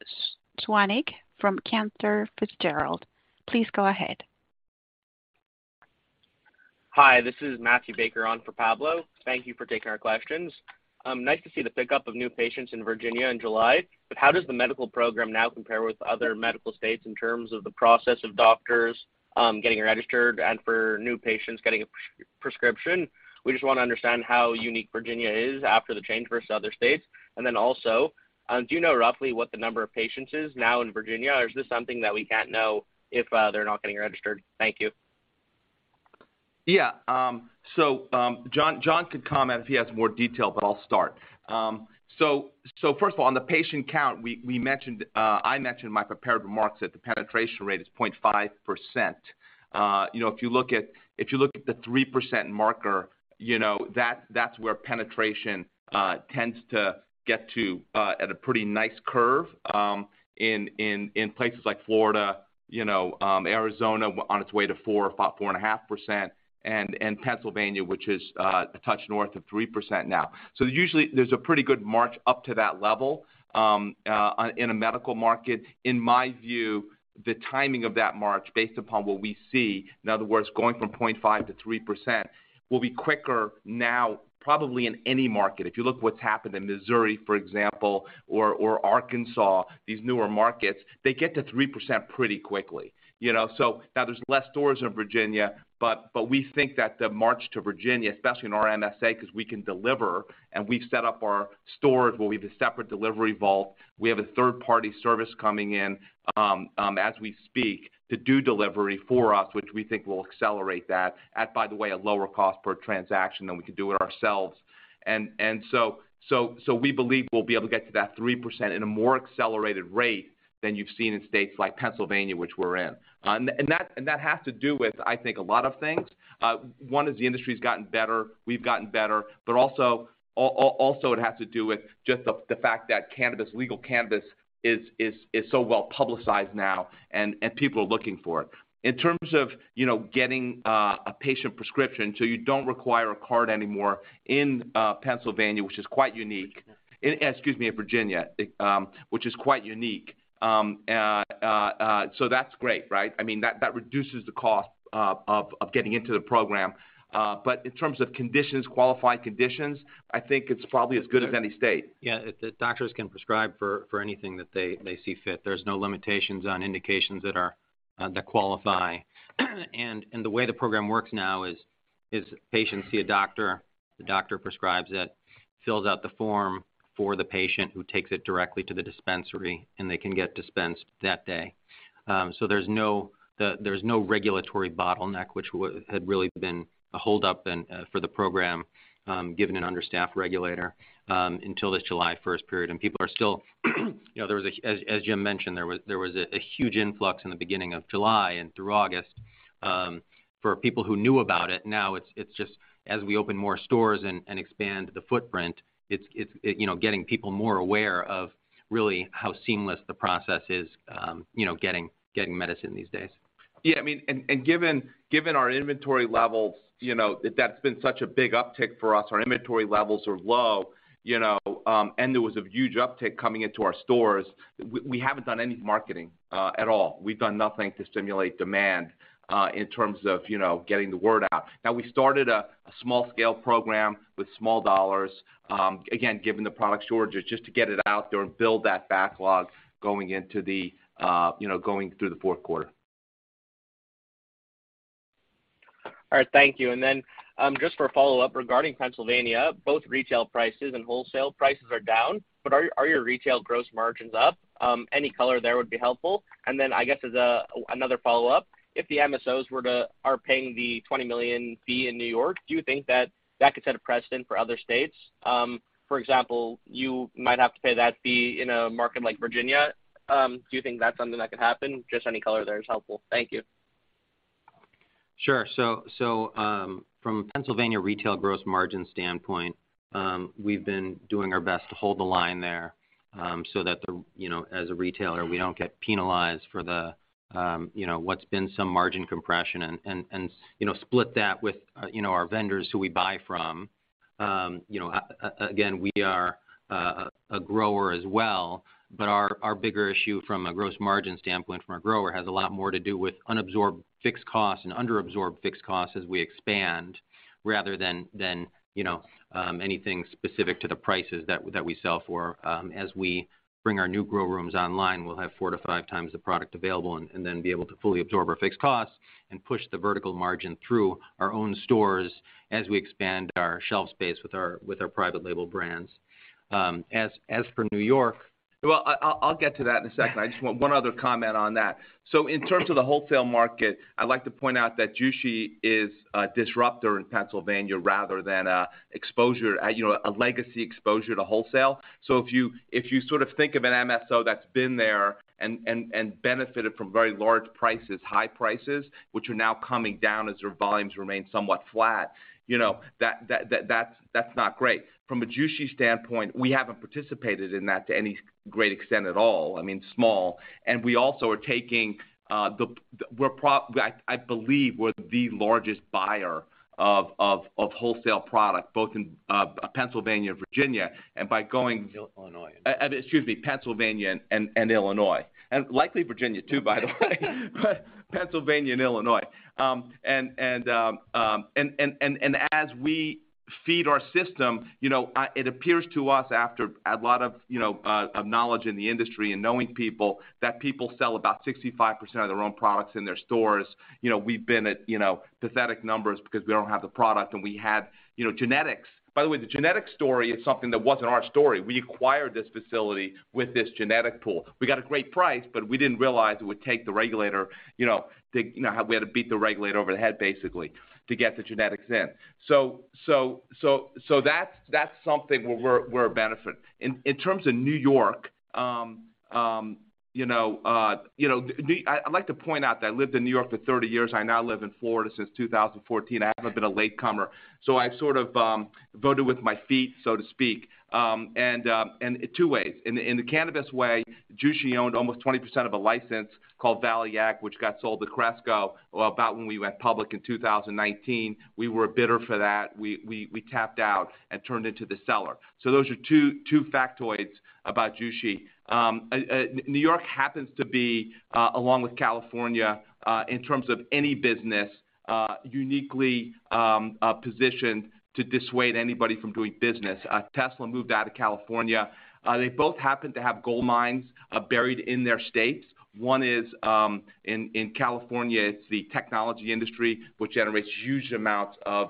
Zuanic from Cantor Fitzgerald. Please go ahead. Hi, this is Matthew Baker on for Pablo Zuanic. Thank you for taking our questions. Nice to see the pickup of new patients in Virginia in July, but how does the medical program now compare with other medical states in terms of the process of doctors getting registered and for new patients getting a prescription? We just want to understand how unique Virginia is after the change versus other states. Do you know roughly what the number of patients is now in Virginia, or is this something that we can't know if they're not getting registered? Thank you. Yeah. Jon Barack could comment if he has more detail, but I'll start. First of all, on the patient count, we mentioned, I mentioned in my prepared remarks that the penetration rate is 0.5%. if you look at the 3% marker that's where penetration tends to get to at a pretty nice curve in places like Florida Arizona on its way to 4-4.5%, and Pennsylvania, which is a touch north of 3% now. Usually, there's a pretty good march up to that level in a medical market. In my view, the timing of that march based upon what we see, in other words, going from 0.5%-3%, will be quicker now probably in any market. If you look what's happened in Missouri, for example, or Arkansas, these newer markets, they get to 3% pretty quickly. Now there's less stores in Virginia, but we think that the march to Virginia, especially in our MSA, because we can deliver and we've set up our stores where we have a separate delivery vault, we have a third-party service coming in, as we speak to do delivery for us, which we think will accelerate that, by the way, a lower cost per transaction than we could do it ourselves. We believe we'll be able to get to that 3% at a more accelerated rate than you've seen in states like Pennsylvania, which we're in. And that has to do with, I think, a lot of things. One is the industry's gotten better, we've gotten better, but also it has to do with just the fact that cannabis, legal cannabis is so well-publicized now and people are looking for it. In terms of getting a patient prescription, so you don't require a card anymore in Pennsylvania, which is quite unique. Virginia. Excuse me, in Virginia, which is quite unique. That's great, right? I mean, that reduces the cost of getting into the program. In terms of conditions, qualifying conditions, I think it's probably as good as any state. Yeah. The doctors can prescribe for anything that they see fit. There's no limitations on indications that qualify. The way the program works now is patients see a doctor, the doctor prescribes it, fills out the form for the patient who takes it directly to the dispensary, and they can get dispensed that day. So there's no regulatory bottleneck which had really been a hold-up for the program, given an understaffed regulator, until this July first period. People are still, you know. As Jim mentioned, there was a huge influx in the beginning of July and through August for people who knew about it. Now it's just as we open more stores and expand the footprint, it's getting people more aware of really how seamless the process is getting medicine these days. Yeah, I mean, given our inventory levels that's been such a big uptick for us. Our inventory levels are low and there was a huge uptick coming into our stores. We haven't done any marketing at all. We've done nothing to stimulate demand in terms of getting the word out. Now, we started a small scale program with small dollars, again, given the product shortages just to get it out there and build that backlog going into the going through the Q4. All right. Thank you. Just for a follow-up regarding Pennsylvania, both retail prices and wholesale prices are down, but are your retail gross margins up? Any color there would be helpful. I guess as another follow-up, if the MSOs are paying the $20 million fee in New York, do you think that could set a precedent for other states? For example, you might have to pay that fee in a market like Virginia. Do you think that's something that could happen? Just any color there is helpful. Thank you. Sure. From Pennsylvania retail gross margin standpoint, we've been doing our best to hold the line there, so that the as a retailer, we don't get penalized for the what's been some margin compression and split that with our vendors who we buy from. Again, we are a grower as well, but our bigger issue from a gross margin standpoint from our grower has a lot more to do with unabsorbed fixed costs and under-absorbed fixed costs as we expand rather than anything specific to the prices that we sell for. As we bring our new grow rooms online, we'll have 4-5 times the product available and then be able to fully absorb our fixed costs and push the vertical margin through our own stores as we expand our shelf space with our private label brands. As for New York. Well, I'll get to that in a second. I just want one other comment on that. In terms of the wholesale market, I'd like to point out that Jushi is a disruptor in Pennsylvania rather than an exposure a legacy exposure to wholesale. If you sort of think of an MSO that's been there and benefited from very large prices, high prices, which are now coming down as their volumes remain somewhat flat that's not great. From a Jushi standpoint, we haven't participated in that to any great extent at all. I mean, small. We also are taking the-- we're pro. I believe we're the largest buyer of wholesale product, both in Pennsylvania and Virginia. By going- Illinois. Excuse me, Pennsylvania and Illinois. Likely Virginia, too, by the way. Pennsylvania and Illinois. As we feed our system it appears to us after a lot of knowledge in the industry and knowing people that people sell about 65% of their own products in their stores. We've been at pathetic numbers because we don't have the product, and we had genetics. By the way, the genetic story is something that wasn't our story. We acquired this facility with this genetic pool. We got a great price, but we didn't realize it would take the regulator we had to beat the regulator over the head, basically, to get the genetics in. That's something where we're a benefit. In terms of New know I'd like to point out that I lived in New York for 30 years. I now live in Florida since 2014. I happen to have been a latecomer. I've sort of voted with my feet, so to speak, and two ways. In the cannabis way, Jushi owned almost 20% of a license called Valley Agriceuticals, which got sold to Cresco Labs about when we went public in 2019. We were a bidder for that. We tapped out and turned into the seller. Those are two factoids about Jushi. New York happens to be, along with California, in terms of any business, uniquely positioned to dissuade anybody from doing business. Tesla moved out of California. They both happen to have gold mines buried in their states. One is in California, it's the technology industry, which generates huge amounts of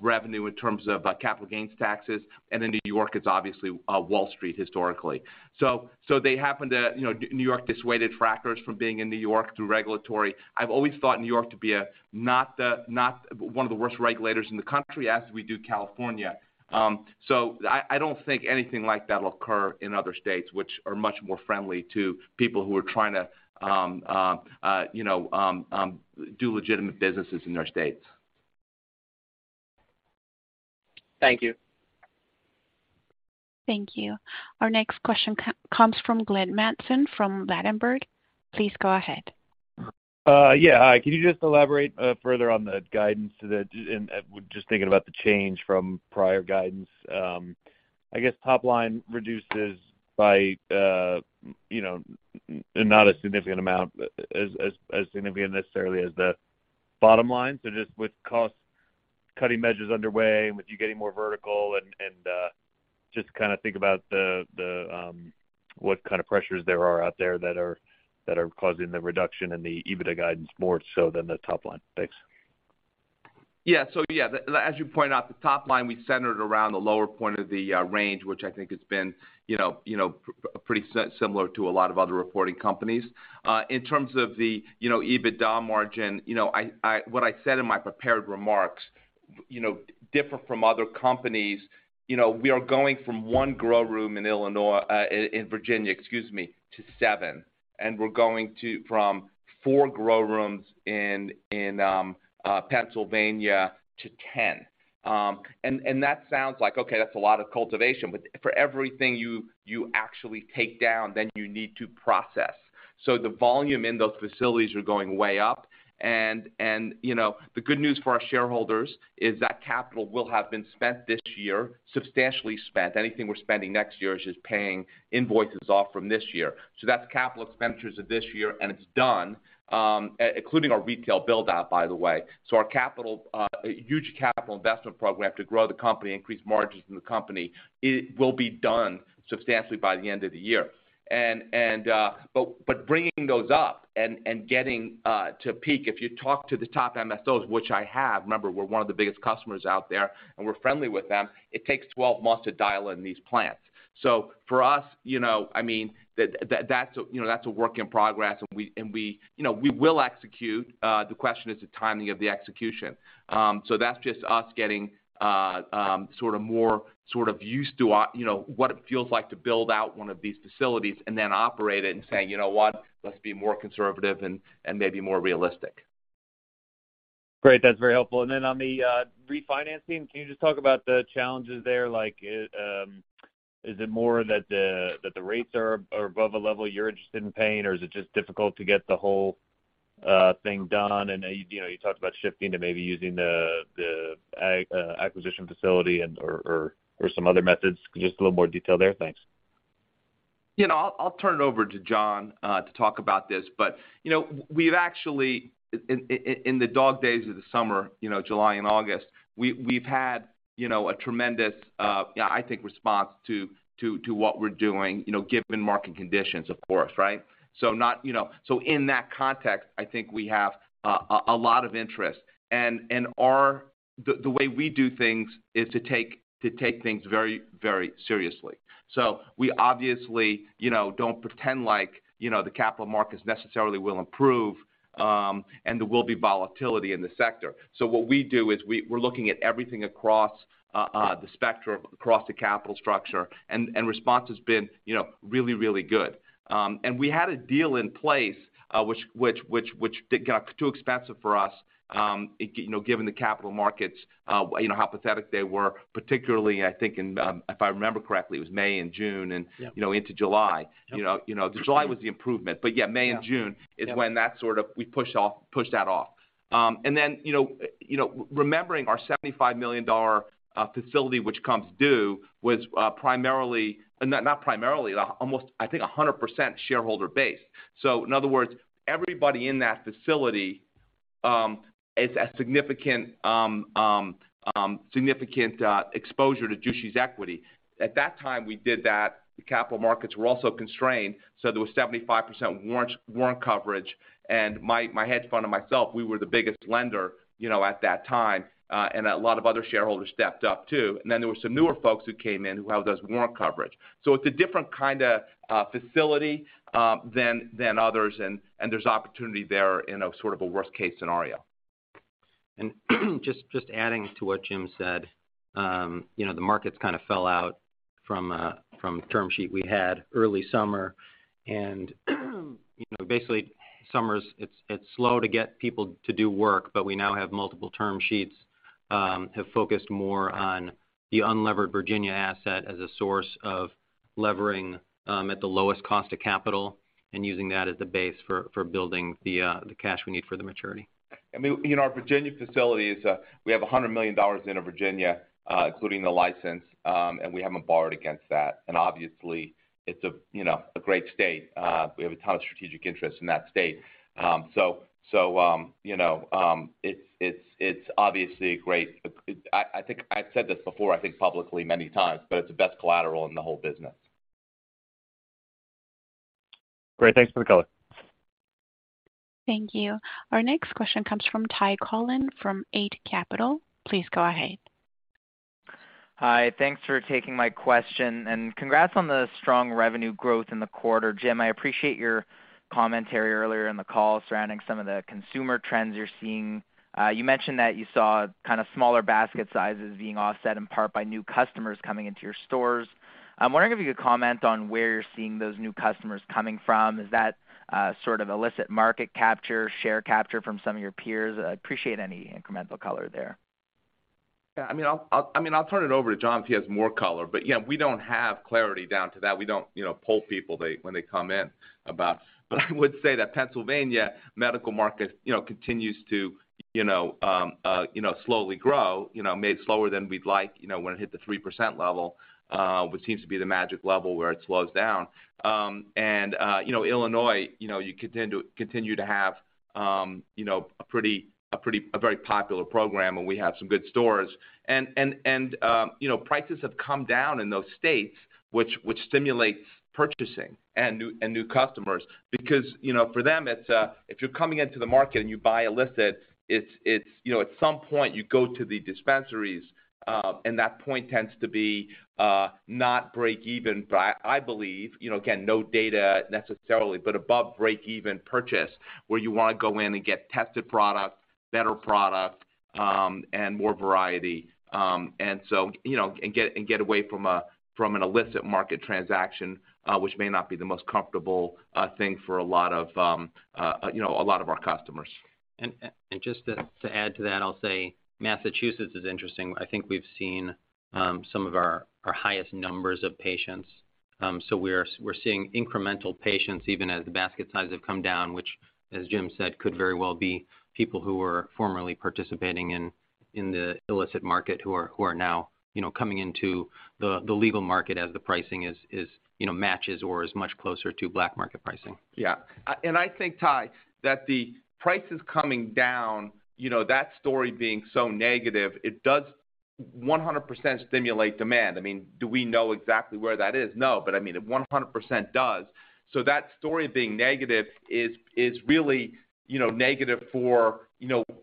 revenue in terms of capital gains taxes. New York is obviously Wall Street historically. They happen to New York dissuaded traders from being in New York through regulatory. I've always thought New York to be not one of the worst regulators in the country as does California. I don't think anything like that will occur in other states which are much more friendly to people who are trying to do legitimate businesses in their states. Thank you. Thank you. Our next question comes from Glenn Mattson from Ladenburg Thalmann. Please go ahead. Yeah, hi. Can you just elaborate further on the guidance, and just thinking about the change from prior guidance? I guess top line reduces by not as significant necessarily as the bottom line. Just with cost-cutting measures underway, with you getting more vertical and just kind of think about what kind of pressures there are out there that are causing the reduction in the EBITDA guidance more so than the top line. Thanks. Yeah. As you point out, the top line, we centered around the lower point of the range, which I think has been pretty similar to a lot of other reporting companies. In terms of the EBITDA margin I what I said in my prepared remarks different from other companies. We are going from one grow room in Virginia, excuse me, to 7, and we're going from 4 grow rooms in Pennsylvania to 10. And that sounds like, okay, that's a lot of cultivation, but for everything you actually take down, then you need to process. The volume in those facilities are going way up. The good news for our shareholders is that capital will have been spent this year, substantially spent. Anything we're spending next year is just paying invoices off from this year. That's capital expenditures of this year, and it's done, including our retail build out, by the way. Our capital, huge capital investment program to grow the company, increase margins in the company, it will be done substantially by the end of the year. Bringing those up and getting to peak, if you talk to the top MSOs, which I have, remember, we're one of the biggest customers out there, and we're friendly with them, it takes 12 months to dial in these plants. For us I mean, that's a work in progress. We will execute. The question is the timing of the execution. That's just us getting sort of more used to what it feels like to build out one of these facilities and then operate it and saying, "You know what? Let's be more conservative and maybe more realistic. Great. That's very helpful. On the refinancing, can you just talk about the challenges there? Like, is it more that the rates are above a level you're interested in paying, or is it just difficult to get the whole thing done? you talked about shifting to maybe using the acquisition facility or some other methods. Just a little more detail there. Thanks. I'll turn it over to Jon to talk about this, but we've actually in the dog days of the summer July and August, we've had a tremendous, I think response to what we're doing given market conditions, of course, right? In that context, I think we have a lot of interest. The way we do things is to take things very, very seriously. We obviously don't pretend like the capital markets necessarily will improve, and there will be volatility in the sector. What we do is we're looking at everything across the spectrum, across the capital structure, and response has been really, really good. We had a deal in place, which got too expensive for us given the capital markets how pathetic they were, particularly I think in, if I remember correctly, it was May and June. Yeah into July. Yes. July was the improvement, but yeah. Yeah May and June. Yeah Is when that sort of we pushed that off. Remembering our $75 million facility, which comes due was almost, I think, 100% shareholder based. In other words, everybody in that facility is a significant exposure to Jushi's equity. At that time we did that, the capital markets were also constrained, so there was 75% warrant coverage. My hedge fund and myself, we were the biggest lender at that time, and a lot of other shareholders stepped up too. There were some newer folks who came in who held those warrant coverage. It's a different kinda facility than others and there's opportunity there in a sort of a worst case scenario. Just adding to what Jim said the markets kind of fell out from the term sheet we had early summer. Basically summers it's slow to get people to do work, but we now have multiple term sheets have focused more on the unlevered Virginia asset as a source of levering at the lowest cost of capital and using that as the base for building the cash we need for the maturity. I mean our Virginia facility is, we have $100 million into Virginia, including the license, and we haven't borrowed against that. Obviously, it's a a great state. We have a ton of strategic interest in that state. so it's obviously a great. I think I've said this before, I think publicly many times, but it's the best collateral in the whole business. Great. Thanks for the color. Thank you. Our next question comes from Ty Collin from Eight Capital. Please go ahead. Hi. Thanks for taking my question, and congrats on the strong revenue growth in the quarter. Jim, I appreciate your commentary earlier in the call surrounding some of the consumer trends you're seeing. You mentioned that you saw kind of smaller basket sizes being offset in part by new customers coming into your stores. I'm wondering if you could comment on where you're seeing those new customers coming from. Is that sort of illicit market capture, share capture from some of your peers? I'd appreciate any incremental color there. Yeah, I mean, I'll turn it over to Jon if he has more color. Yeah, we don't have clarity down to that. We don't you know poll people when they come in about. I would say that Pennsylvania medical market you know continues to you know slowly grow. Maybe slower than we'd like you know when it hit the 3% level which seems to be the magic level where it slows down. Illinois you know you continue to have you know a very popular program, and we have some good stores. Prices have come down in those states, which stimulates purchasing and new customers because you know for them it's if you're coming into the market and you buy illicit, it's you know at some point you go to the dispensaries, and that point tends to be not breakeven, but I believe you know again no data necessarily but above breakeven purchase, where you want to go in and get tested product, better product, and more variety. You know and get away from an illicit market transaction, which may not be the most comfortable thing for a lot of you know a lot of our customers. Just to add to that, I'll say Massachusetts is interesting. I think we've seen some of our highest numbers of patients. We're seeing incremental patients even as the basket sizes have come down, which, as Jim said, could very well be people who were formerly participating in the illicit market, who are now coming into the legal market as the pricing is matches or is much closer to black market pricing. Yeah. I think, Ty, that the prices coming down that story being so negative, it does 100% stimulate demand. I mean, do we know exactly where that is? No. But I mean, it 100% does. That story being negative is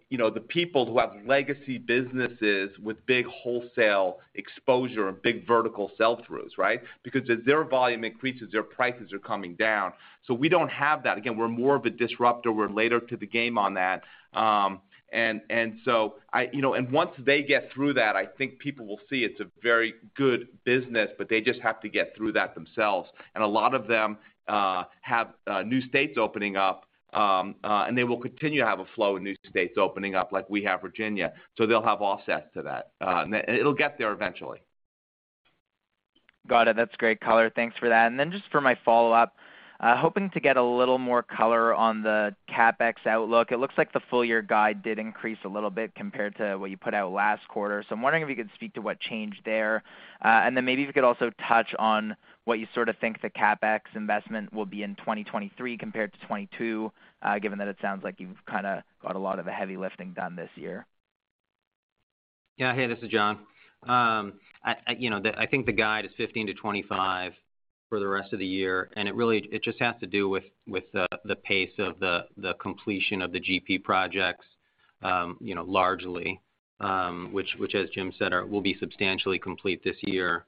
know the people who have legacy businesses with big wholesale exposure and big vertical sell-throughs, right? Because as their volume increases, their prices are coming down. We don't have that. Again, we're more of a disruptor. We're later to the game on that. Once they get through that, I think people will see it's a very good business, but they just have to get through that themselves. A lot of them have new states opening up, and they will continue to have a flow of new states opening up like we have Virginia, so they'll have offsets to that. It'll get there eventually. Got it. That's great color. Thanks for that. Just for my follow-up, hoping to get a little more color on the CapEx outlook. It looks like the full year guide did increase a little bit compared to what you put out last quarter. I'm wondering if you could speak to what changed there. Maybe if you could also touch on what you sort of think the CapEx investment will be in 2023 compared to 2022, given that it sounds like you've kinda got a lot of the heavy lifting done this year. Yeah. Hey, this is Jon. I think the guide is $15-$25 for the rest of the year, and it really just has to do with the pace of the completion of the GP projects largely, which as Jim said will be substantially complete this year.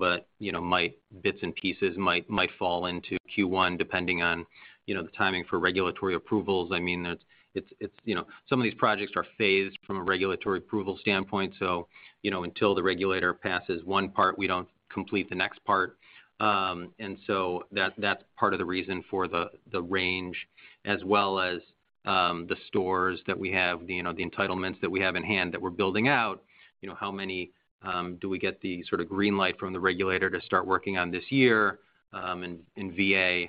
Bits and pieces might fall into Q1, depending on the timing for regulatory approvals. I mean, it's you know. Some of these projects are phased from a regulatory approval standpoint, so until the regulator passes one part, we don't complete the next part. That's part of the reason for the range, as well as the stores that we have, the entitlements that we have in hand that we're building out. How many do we get the sort of green light from the regulator to start working on this year in VA?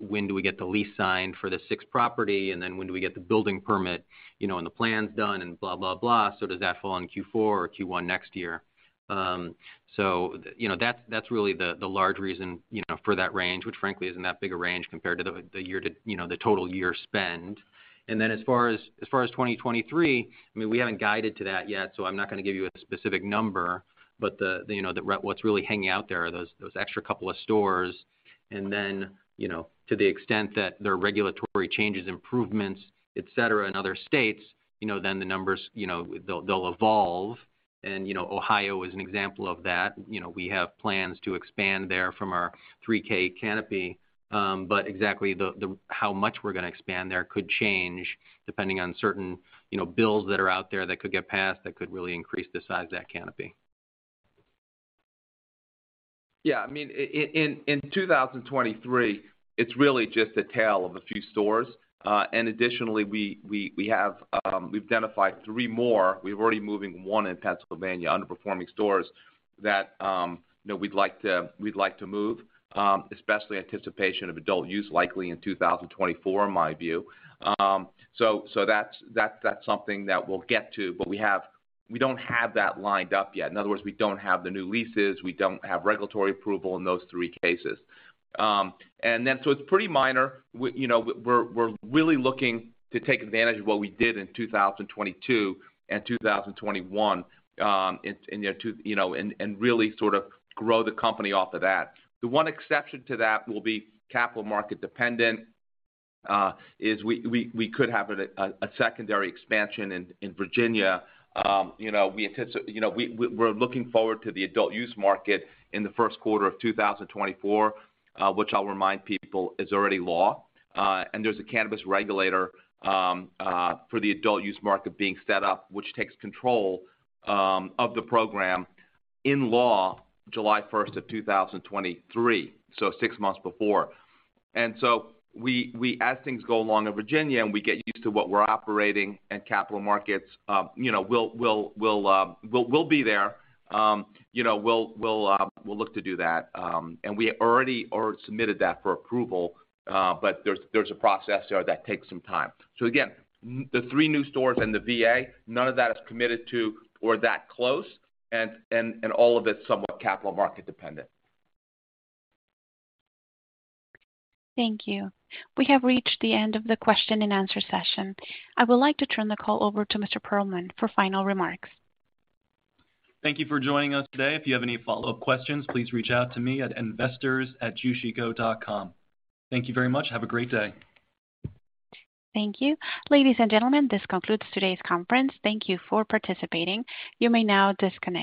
When do we get the lease signed for the sixth property, and then when do we get the building permit and the plans done and blah, blah. Does that fall on Q4 or Q1 next year? That's really the large reason for that range, which frankly isn't that big a range compared to the year, too the total year spend. As far as 2023, I mean, we haven't guided to that yet, so I'm not going to give you a specific number. What's really hanging out there are those extra couple of stores. To the extent that there are regulatory changes, improvements, et cetera, in other states then the numbers they'll evolve. Ohio is an example of that. We have plans to expand there from our 3K canopy. Exactly how much we're going to expand there could change depending on certain bills that are out there that could get passed that could really increase the size of that canopy. Yeah. I mean, in 2023, it's really just a tale of a few stores. Additionally, we've identified 3 more. We're already moving one in Pennsylvania, underperforming stores that you know we'd like to move, especially in anticipation of adult use likely in 2024, in my view. So that's something that we'll get to, but we don't have that lined up yet. In other words, we don't have the new leases. We don't have regulatory approval in those 3 cases. It's pretty minor. We're really looking to take advantage of what we did in 2022 and 2021, and you know to you know and really sort of grow the company off of that. The one exception to that will be capital market dependent is we could have a secondary expansion in Virginia. We're looking forward to the adult use market in the Q1 of 2024, which I'll remind people is already law. There's a cannabis regulator for the adult use market being set up, which takes control of the program in law July 1, 2023, so six months before. As things go along in Virginia and we get used to what we're operating and capital markets we'll be there. We'll look to do that. We already submitted that for approval, but there's a process there that takes some time. Again, the three new stores in the VA, none of that is committed to or that close and all of it's somewhat capital market dependent. Thank you. We have reached the end of the question and answer session. I would like to turn the call over to Mr. Perlman for final remarks. Thank you for joining us today. If you have any follow-up questions, please reach out to me at investors@jushi.com. Thank you very much. Have a great day. Thank you. Ladies and gentlemen, this concludes today's conference. Thank you for participating. You may now disconnect.